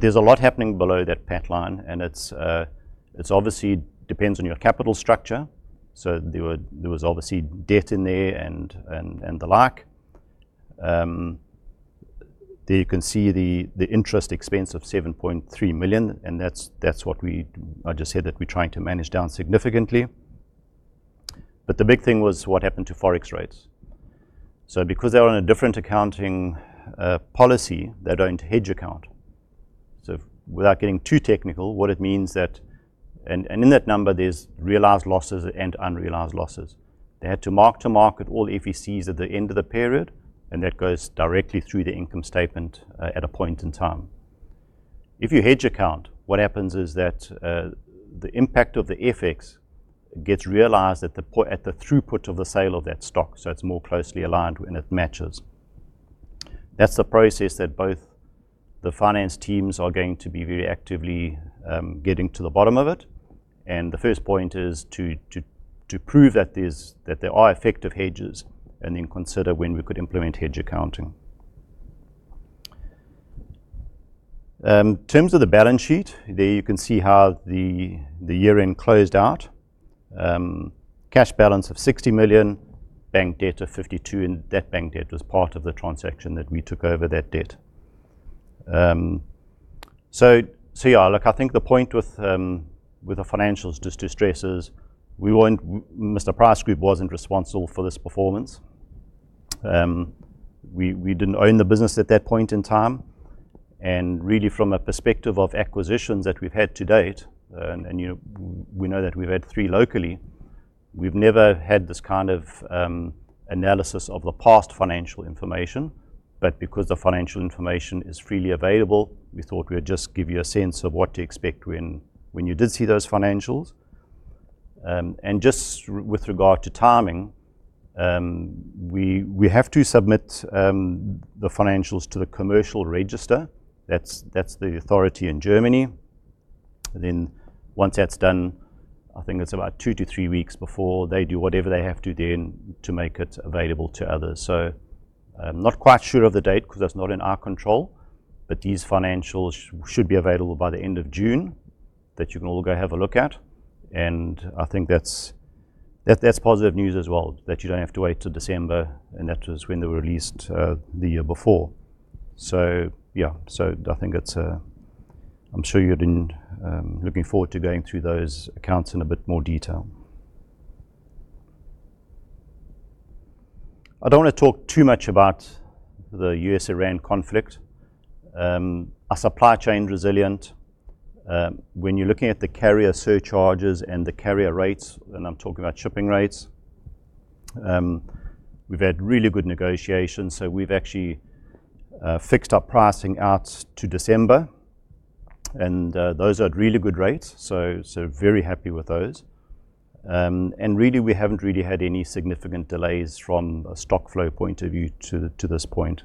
S1: There's a lot happening below that PAT line, and it obviously depends on your capital structure. There was obviously debt in there and the like. There you can see the interest expense of 7.3 million, and that's what I just said that we're trying to manage down significantly. The big thing was what happened to Forex rates. Because they're on a different accounting policy, they don't hedge account. Without getting too technical, what it means. And in that number, there's realized losses and unrealized losses. They had to mark-to-market all FECs at the end of the period, and that goes directly through the income statement at a point in time. If you hedge account, what happens is that the impact of the FX gets realized at the throughput of the sale of that stock, so it's more closely aligned and it matches. That's the process that both the finance teams are going to be very actively getting to the bottom of it, the first point is to prove that there are effective hedges and then consider when we could implement hedge accounting. In terms of the balance sheet, there you can see how the year-end closed out. Cash balance of 60 million, bank debt of 52 million, that bank debt was part of the transaction that we took over that debt. Yeah, look, I think the point with the financials, just to stress, is Mr Price Group wasn't responsible for this performance. We didn't own the business at that point in time. Really from a perspective of acquisitions that we've had to-date, we know that we've had three locally, we've never had this kind of analysis of the past financial information. Because the financial information is freely available, we thought we would just give you a sense of what to expect when you did see those financials. Just with regard to timing, we have to submit the financials to the commercial register. That's the authority in Germany. Once that's done, I think it's about two to three weeks before they do whatever they have to then to make it available to others. I'm not quite sure of the date because that's not in our control. These financials should be available by the end of June that you can all go have a look at. I think that's positive news as well, that you don't have to wait till December, and that was when they were released the year before. Yeah, I'm sure you're looking forward to going through those accounts in a bit more detail. I don't want to talk too much about the U.S.-Iran conflict. Our supply chain resilient. When you're looking at the carrier surcharges and the carrier rates, and I'm talking about shipping rates, we've had really good negotiations, we've actually fixed our pricing out to December, those are at really good rates, very happy with those. Really, we haven't really had any significant delays from a stock flow point of view to this point.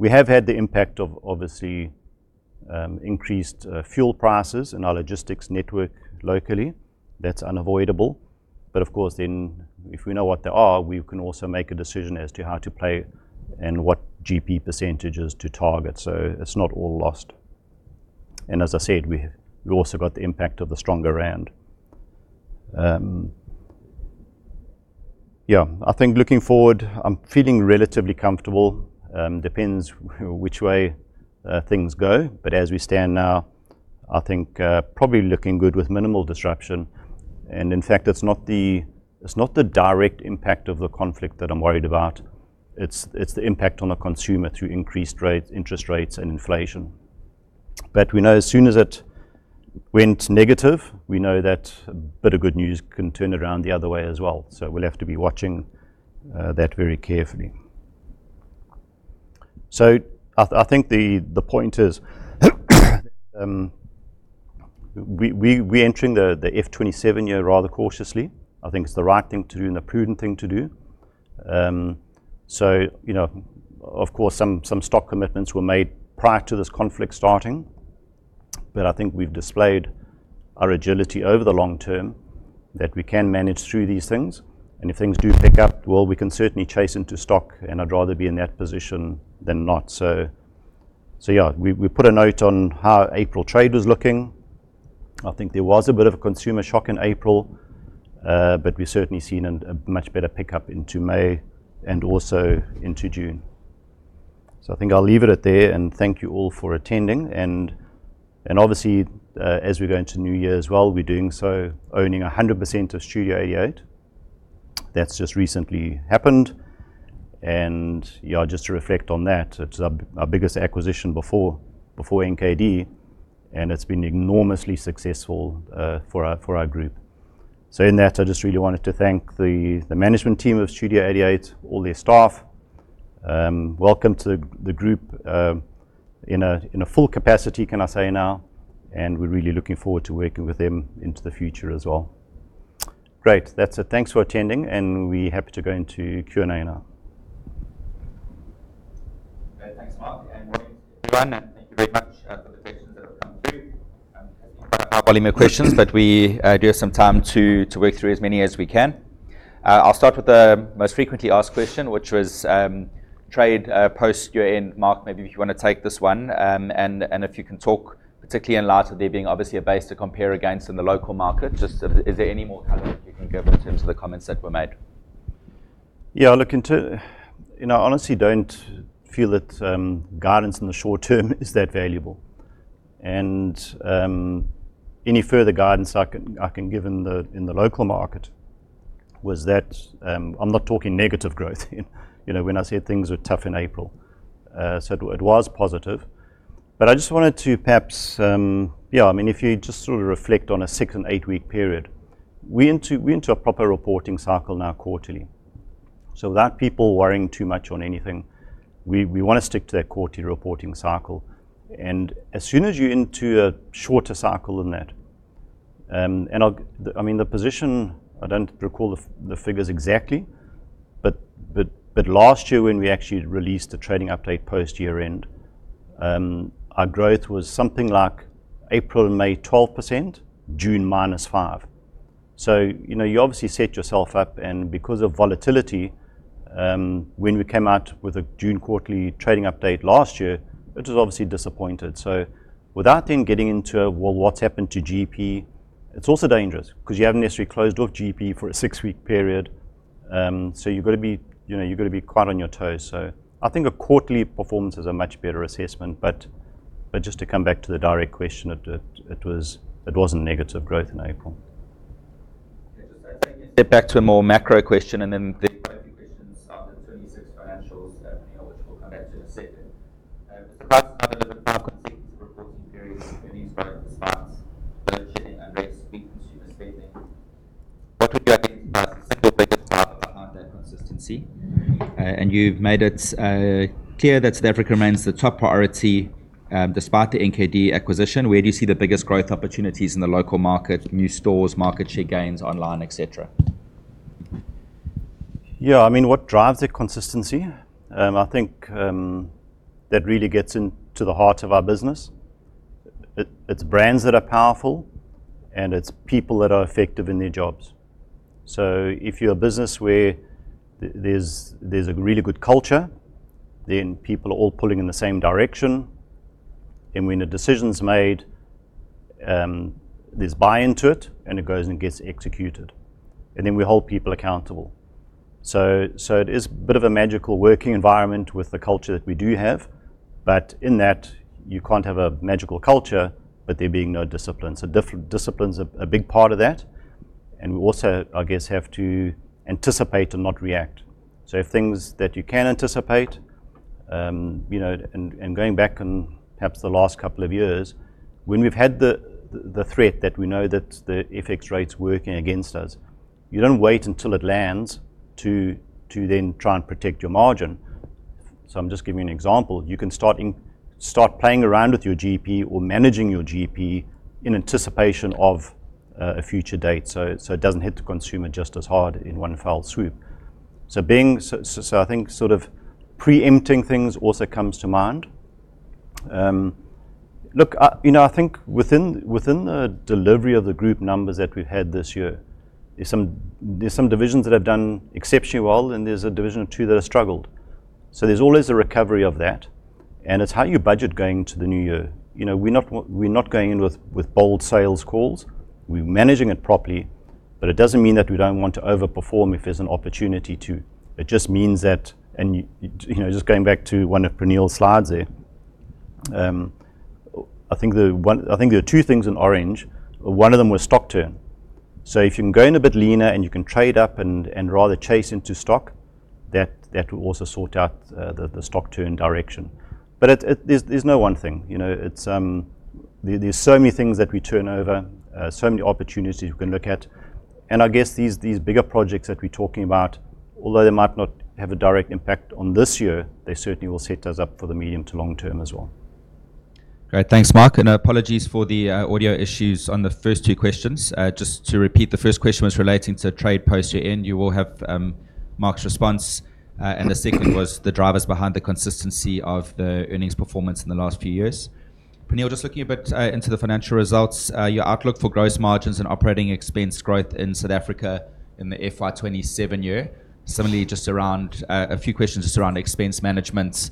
S1: We have had the impact of, obviously, increased fuel prices in our logistics network locally. That's unavoidable. Of course then, if we know what they are, we can also make a decision as to how to play and what GP percentages to target. It's not all lost. As I said, we also got the impact of the stronger rand. I think looking forward, I'm feeling relatively comfortable. Depends which way things go. As we stand now, I think probably looking good with minimal disruption. In fact, it's not the direct impact of the conflict that I'm worried about. It's the impact on a consumer through increased rates, interest rates, and inflation. We know as soon as it went negative. We know that a bit of good news can turn around the other way as well, so we'll have to be watching that very carefully. I think the point is, we're entering the F 2027 year rather cautiously. I think it's the right thing to do and the prudent thing to do. Of course, some stock commitments were made prior to this conflict starting, but I think we've displayed our agility over the long term that we can manage through these things. If things do pick up, well, we can certainly chase into stock, and I'd rather be in that position than not. Yeah, we put a note on how April trade was looking. I think there was a bit of a consumer shock in April, but we've certainly seen a much better pickup into May and also into June. I think I'll leave it at there and thank you all for attending. Obviously, as we go into new year as well, we're doing so owning 100% of Studio 88. That's just recently happened, and just to reflect on that, it's our biggest acquisition before NKD, and it's been enormously successful for our group. In that, I just really wanted to thank the management team of Studio 88, all their staff. Welcome to the group in a full capacity, can I say now. We're really looking forward to working with them into the future as well. Great. That's it. Thanks for attending. We're happy to go into Q&A now.
S3: [audio distortion] There's been quite a high volume of questions, but we do have some time to work through as many as we can. I'll start with the most frequently asked question, which was trade post year-end. Mark, maybe if you want to take this one, and if you can talk particularly in light of there being obviously a base to compare against in the local market. Just is there any more color that you can give in terms of the comments that were made?
S1: I honestly don't feel that guidance in the short term is that valuable. Any further guidance I can give in the local market was that I'm not talking negative growth when I said things were tough in April. It was positive. I just wanted to reflect on a six- and eight-week period, we're into a proper reporting cycle now quarterly. So that people worrying to much on anything we want to stick to that quarterly reporting cycle. As soon as you're into a shorter cycle than that, and the position, I don't recall the figures exactly, but last year, when we actually released the trading update post year-end, our growth was something like April and May 12%, June -5%. You obviously set yourself up, and because of volatility, when we came out with a June quarterly trading update last year, it was obviously disappointed. Without then getting into, well, what's happened to GP? It's also dangerous because you haven't necessarily closed off GP for a six-week period. You've got to be quite on your toes. I think a quarterly performance is a much better assessment. Just to come back to the direct question, it wasn't negative growth in April.
S3: [audio distortion] step back to a more macro question, then. [audio distortion] Mr Price Group delivered five consecutive reporting periods of earnings growth despite a [burgeoning] and rate-squeezed consumer spending. What would you identify as the single biggest driver behind that consistency? You've made it clear that [audio distortion] remains the top priority despite the NKD acquisition. Where do you see the biggest growth opportunities in the local market, new stores, market share gains, online, et cetera?
S1: Yeah. What drives that consistency? I think that really gets into the heart of our business. It's brands that are powerful, and it's people that are effective in their jobs. If you're a business where there's a really good culture, then people are all pulling in the same direction, and when a decision's made, there's buy into it, and it goes and gets executed. Then we hold people accountable. It is a bit of a magical working environment with the culture that we do have. In that, you can't have a magical culture, with there being no discipline. Discipline's a big part of that, and we also, I guess, have to anticipate and not react. If things that you can anticipate, and going back on perhaps the last couple of years, when we've had the threat that we know that the FX rate's working against us, you don't wait until it lands to then try and protect your margin. I'm just giving you an example. You can start playing around with your GP or managing your GP in anticipation of a future date, so it doesn't hit the consumer just as hard in one fell swoop. I think sort of preempting things also comes to mind. Look, I think within the delivery of the group numbers that we've had this year, there's some divisions that have done exceptionally well, and there's a division or two that have struggled. There's always a recovery of that, and it's how you budget going into the new year. We're not going in with bold sales calls. It doesn't mean that we don't want to overperform if there's an opportunity to. It just means that, and just going back to one of Praneel's slides there, I think there are two things in orange. One of them was stock turn. If you can go in a bit leaner and you can trade up and rather chase into stock, that will also sort out the stock turn direction. There's no one thing. There's so many things that we turn over, so many opportunities we can look at. I guess these bigger projects that we're talking about, although they might not have a direct impact on this year, they certainly will set us up for the medium to long term as well.
S3: Great. Thanks, Mark. Apologies for the audio issues on the first two questions. Just to repeat, the first question was relating to trade post year-end. You will have Mark's response. The second was the drivers behind the consistency of the earnings performance in the last few years. Praneel, just looking a bit into the financial results, your outlook for gross margins and operating expense growth in South Africa in the FY 2027 year. Similarly, a few questions just around expense management,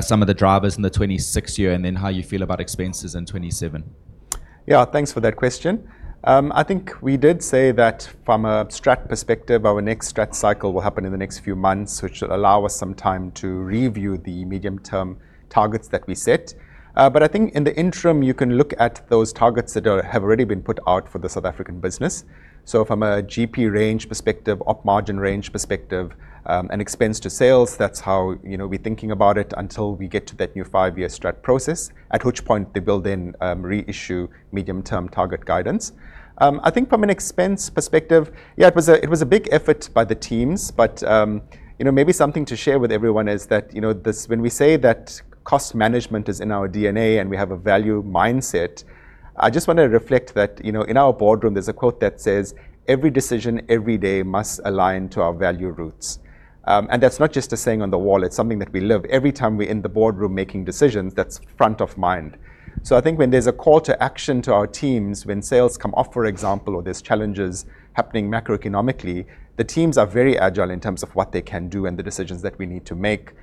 S3: some of the drivers in the 2026 year. How you feel about expenses in 2027.
S2: Thanks for that question. I think we did say that from a strat perspective, our next strat cycle will happen in the next few months, which should allow us some time to review the medium-term targets that we set. I think in the interim, you can look at those targets that have already been put out for the South African business. From a GP range perspective, op margin range perspective, and expense to sales, that's how we're thinking about it until we get to that new five-year strat process. At which point, they will then reissue medium-term target guidance. I think from an expense perspective, it was a big effort by the teams. Maybe something to share with everyone is that when we say that cost management is in our DNA and we have a value mindset, I just want to reflect that in our Boardroom, there's a quote that says, every decision, every day must align to our value roots. That's not just a saying on the wall, it's something that we live. Every time we're in the boardroom making decisions, that's front of mind. I think when there's a call to action to our teams, when sales come off, for example, or there's challenges happening macroeconomically, the teams are very agile in terms of what they can do and the decisions that we need to make.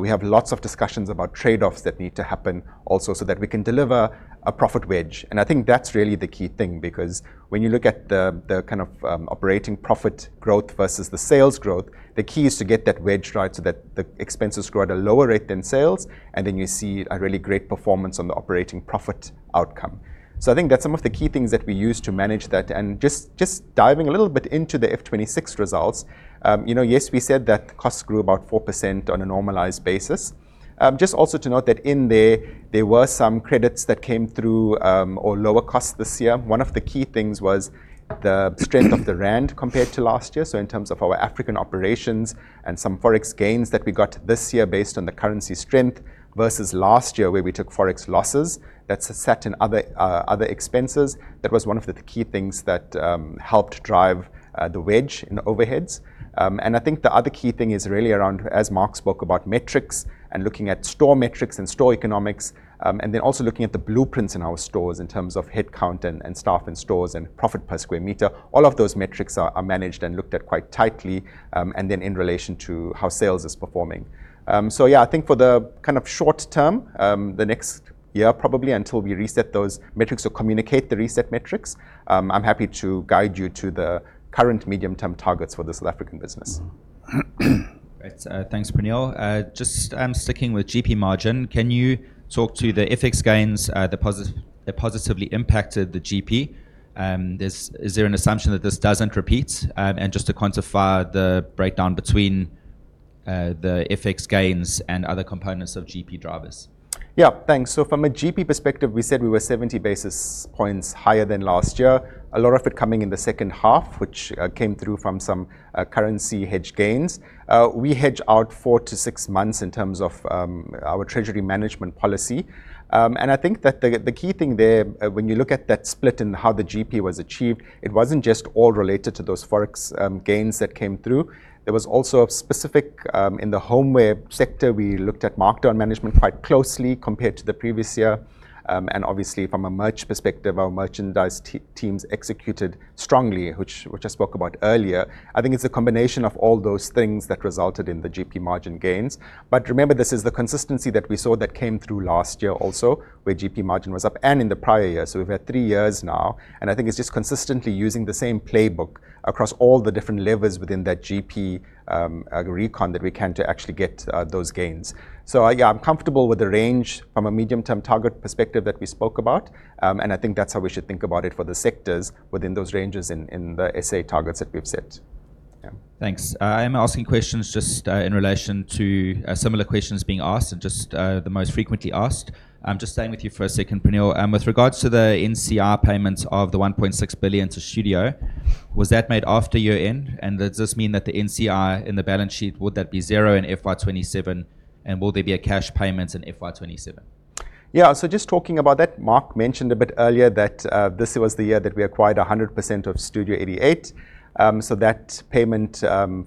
S2: We have lots of discussions about trade-offs that need to happen also so that we can deliver a profit wedge. I think that's really the key thing, because when you look at the kind of operating profit growth versus the sales growth, the key is to get that wedge right so that the expenses grow at a lower rate than sales, then you see a really great performance on the operating profit outcome. I think that's some of the key things that we use to manage that. Just diving a little bit into the F 2026 results. Yes, we said that costs grew about 4% on a normalized basis. Just also to note that in there were some credits that came through or lower costs this year. One of the key things was the strength of the rand compared to last year. In terms of our African operations and some Forex gains that we got this year based on the currency strength, versus last year where we took Forex losses, that sat in other expenses. That was one of the key things that helped drive the wedge in the overheads. I think the other key thing is really around, as Mark spoke about metrics and looking at store metrics and store economics, and then also looking at the blueprints in our stores in terms of headcount and staff in stores and profit per square meter. All of those metrics are managed and looked at quite tightly, and then in relation to how sales is performing. Yeah, I think for the kind of short term, the next year probably until we reset those metrics or communicate the reset metrics, I'm happy to guide you to the current medium-term targets for the South African business.
S3: Great. Thanks, Praneel. Just sticking with GP margin, can you talk to the FX gains that positively impacted the GP? Is there an assumption that this doesn't repeat? Just to quantify the breakdown between the FX gains and other components of GP drivers.
S2: Yeah, thanks. From a GP perspective, we said we were 70 basis points higher than last year. A lot of it coming in the second half, which came through from some currency hedge gains. We hedge out four to six months in terms of our treasury management policy. I think that the key thing there, when you look at that split and how the GP was achieved, it wasn't just all related to those Forex gains that came through. There was also a specific, in the Homeware sector, we looked at markdown management quite closely compared to the previous year. Obviously, from a merch perspective, our merchandise teams executed strongly, which I spoke about earlier. I think it's a combination of all those things that resulted in the GP margin gains. Remember, this is the consistency that we saw that came through last year also, where GP margin was up, and in the prior year. We've had three years now, and I think it's just consistently using the same playbook across all the different levers within that GP recon that we can to actually get those gains. Yeah, I'm comfortable with the range from a medium-term target perspective that we spoke about, and I think that's how we should think about it for the sectors within those ranges in the SA targets that we've set. Yeah.
S3: Thanks. I am asking questions just in relation to similar questions being asked and just the most frequently asked. I'm just staying with you for a second, Praneel. With regards to the NCI payments of the 1.6 billion to Studio, was that made after year-end? Does this mean that the NCI in the balance sheet, would that be zero in FY 2027, and will there be a cash payment in FY 2027?
S2: Just talking about that, Mark mentioned a bit earlier that this was the year that we acquired 100% of Studio 88. That payment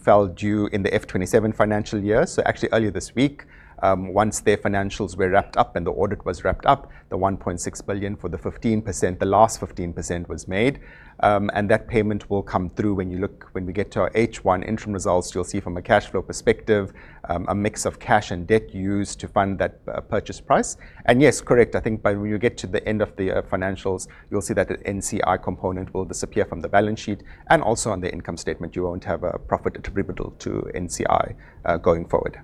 S2: fell due in the F 2027 financial year. Actually earlier this week, once their financials were wrapped up and the audit was wrapped up, the 1.6 billion for the 15%, the last 15% was made. That payment will come through when we get to our H1 interim results, you'll see from a cash flow perspective, a mix of cash and debt used to fund that purchase price. Yes, correct. I think by when you get to the end of the financials, you'll see that the NCI component will disappear from the balance sheet, and also on the income statement, you won't have a profit attributable to NCI, going forward.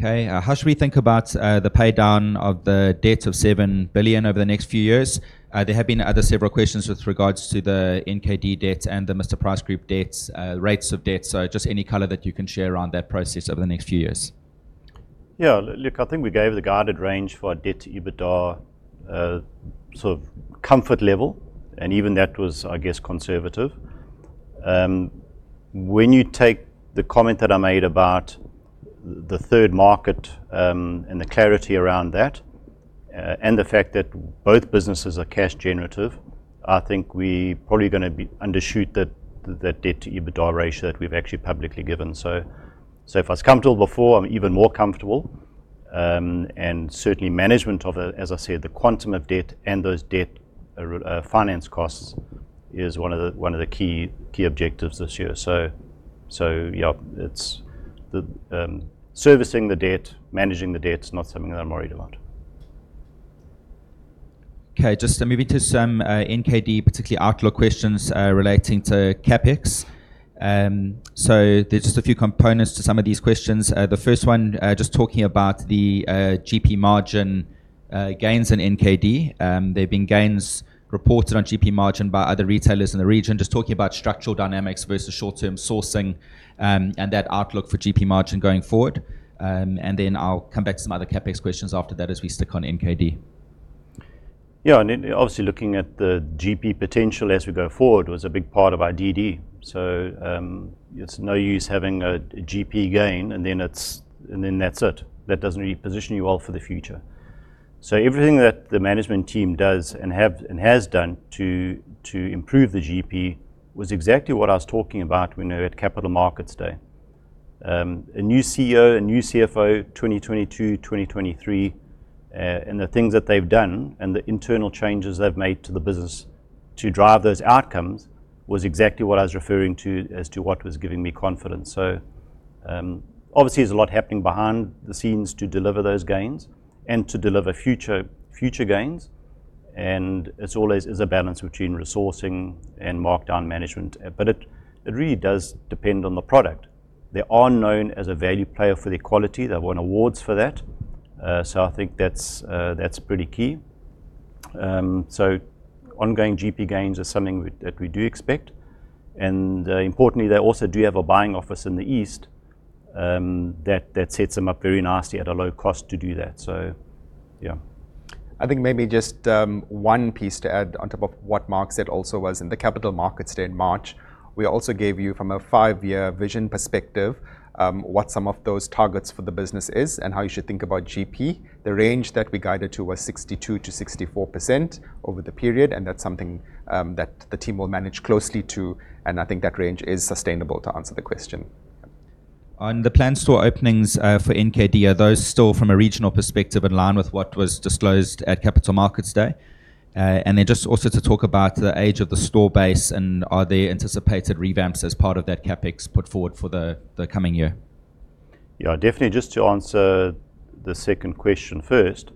S3: How should we think about the paydown of the debt of 7 billion over the next few years? There have been other several questions with regards to the NKD debt and the Mr Price Group debts, rates of debt. Just any color that you can share around that process over the next few years.
S1: Yeah, look, I think we gave the guided range for our debt-to-EBITDA sort of comfort level, and even that was, I guess, conservative. When you take the comment that I made about the third market, and the clarity around that, and the fact that both businesses are cash generative, I think we're probably going to undershoot that debt-to-EBITDA ratio that we've actually publicly given. If I was comfortable before, I'm even more comfortable. Certainly management of, as I said, the quantum of debt and those debt finance costs is one of the key objectives this year. Yeah, servicing the debt, managing the debt's not something that I'm worried about.
S3: Okay. Just moving to some NKD, particularly outlook questions relating to CapEx. There's just a few components to some of these questions. The first one just talking about the GP margin gains in NKD. There have been gains reported on GP margin by other retailers in the region. Just talking about structural dynamics versus short-term sourcing, and that outlook for GP margin going forward. Then I'll come back to some other CapEx questions after that as we stick on NKD.
S1: Yeah, obviously looking at the GP potential as we go forward was a big part of our DD. It's no use having a GP gain and then that's it. That doesn't really position you well for the future. Everything that the management team does and has done to improve the GP was exactly what I was talking about when we were at Capital Markets Day. A new CEO, a new CFO, 2022-2023, and the things that they've done and the internal changes they've made to the business to drive those outcomes, was exactly what I was referring to as to what was giving me confidence. Obviously, there's a lot happening behind the scenes to deliver those gains and to deliver future gains, and it's always is a balance between resourcing and markdown management. It really does depend on the product. They are known as a value player for their quality. They've won awards for that, so I think that's pretty key. Ongoing GP gains are something that we do expect. Importantly, they also do have a buying office in the East, that sets them up very nicely at a low cost to do that.
S2: I think maybe just one piece to add on top of what Mark said also was in the Capital Markets Day in March, we also gave you from a five-year vision perspective, what some of those targets for the business is and how you should think about GP. The range that we guided to was 62%-64% over the period. That's something that the team will manage closely to, and I think that range is sustainable to answer the question.
S3: On the planned store openings for NKD, are those still from a regional perspective in line with what was disclosed at Capital Markets Day? Just also to talk about the age of the store base and are there anticipated revamps as part of that CapEx put forward for the coming year?
S1: Yeah, definitely. Just to answer the second question first.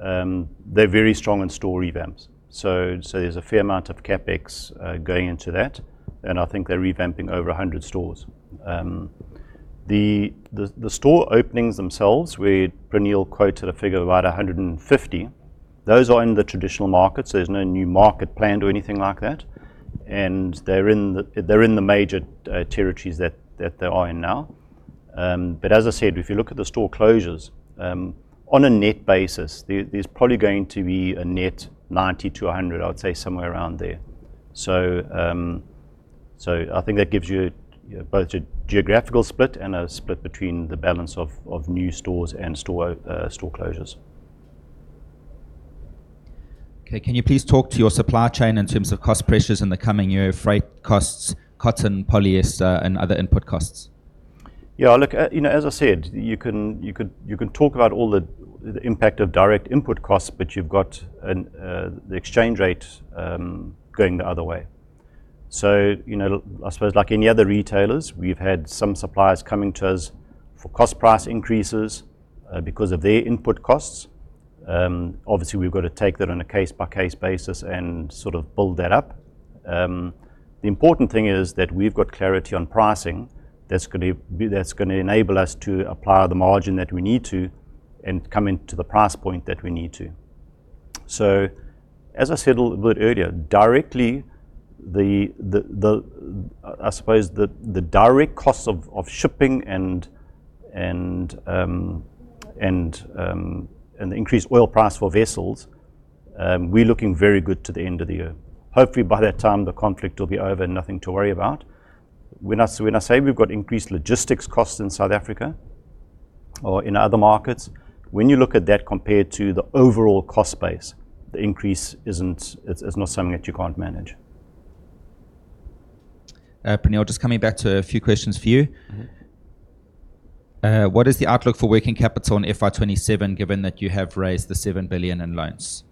S1: They're very strong in store revamps, so there's a fair amount of CapEx going into that, and I think they're revamping over 100 stores. The store openings themselves, where Praneel quoted a figure of about 150, those are in the traditional markets. There's no new market planned or anything like that, and they're in the major territories that they are in now. As I said, if you look at the store closures, on a net basis, there's probably going to be a net 90-100, I would say somewhere around there. I think that gives you both a geographical split and a split between the balance of new stores and store closures.
S3: Okay. Can you please talk to your supply chain in terms of cost pressures in the coming year, freight costs, cotton, polyester, and other input costs?
S1: Yeah, look, as I said, you can talk about all the impact of direct input costs. You've got the exchange rate going the other way. I suppose like any other retailers, we've had some suppliers coming to us for cost price increases because of their input costs. Obviously, we've got to take that on a case-by-case basis and sort of build that up. The important thing is that we've got clarity on pricing that's going to enable us to apply the margin that we need to and come into the price point that we need to. As I said a little bit earlier, directly I suppose the direct costs of shipping and the increased oil price for vessels, we're looking very good to the end of the year. Hopefully, by that time the conflict will be over and nothing to worry about. When I say we've got increased logistics costs in South Africa or in other markets, when you look at that compared to the overall cost base, the increase it's not something that you can't manage.
S3: Praneel, just coming back to a few questions for you. What is the outlook for working capital on FY 2027, given that you have raised the 7 billion in loans?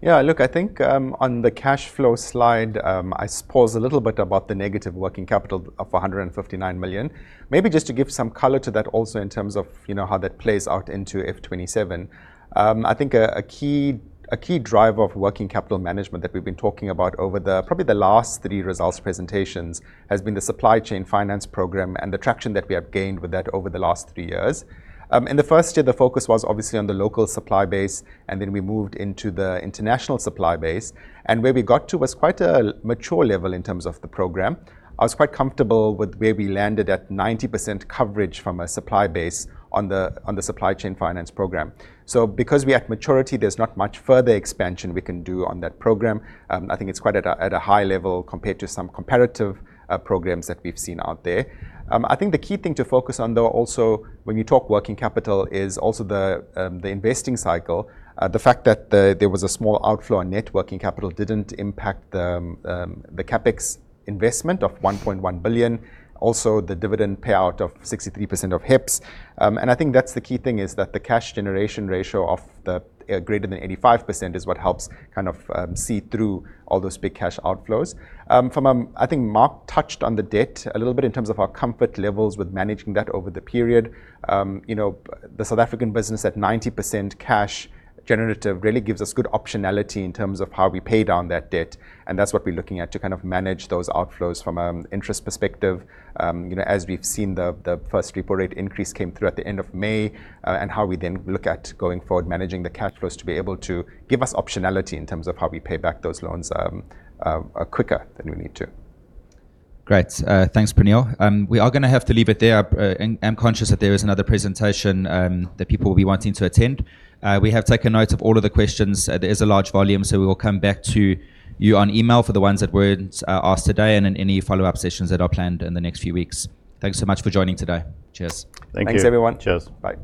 S2: Yeah, look, I think, on the cash flow slide, I suppose a little bit about the negative working capital of 159 million. Maybe just to give some color to that also in terms of how that plays out into F 2027. I think a key driver of working capital management that we've been talking about over the, probably the last three results presentations, has been the supply chain finance program and the traction that we have gained with that over the last three years. In the first year, the focus was obviously on the local supply base, then we moved into the international supply base. Where we got to was quite a mature level in terms of the program. I was quite comfortable with where we landed at 90% coverage from a supply base on the supply chain finance program. Because we have maturity, there's not much further expansion we can do on that program. I think it's quite at a high level compared to some comparative programs that we've seen out there. I think the key thing to focus on, though, also when you talk working capital, is also the investing cycle. The fact that there was a small outflow on net working capital didn't impact the CapEx investment of 1.1 billion. The dividend payout of 63% of HEPS. I think that's the key thing, is that the cash generation ratio of the greater than 85% is what helps kind of see through all those big cash outflows. I think Mark touched on the debt a little bit in terms of our comfort levels with managing that over the period. The South African business at 90% cash generative really gives us good optionality in terms of how we pay down that debt. That's what we're looking at to kind of manage those outflows from an interest perspective. As we've seen, the first repo rate increase came through at the end of May. How we then look at going forward, managing the cash flows to be able to give us optionality in terms of how we pay back those loans quicker than we need to.
S3: Great. Thanks, Praneel. We are going to have to leave it there. I'm conscious that there is another presentation that people will be wanting to attend. We have taken note of all of the questions. There is a large volume, so we will come back to you on email for the ones that weren't asked today in any follow-up sessions that are planned in the next few weeks. Thanks so much for joining today. Cheers.
S1: Thank you.
S2: Thanks, everyone.
S1: Cheers.
S2: Bye.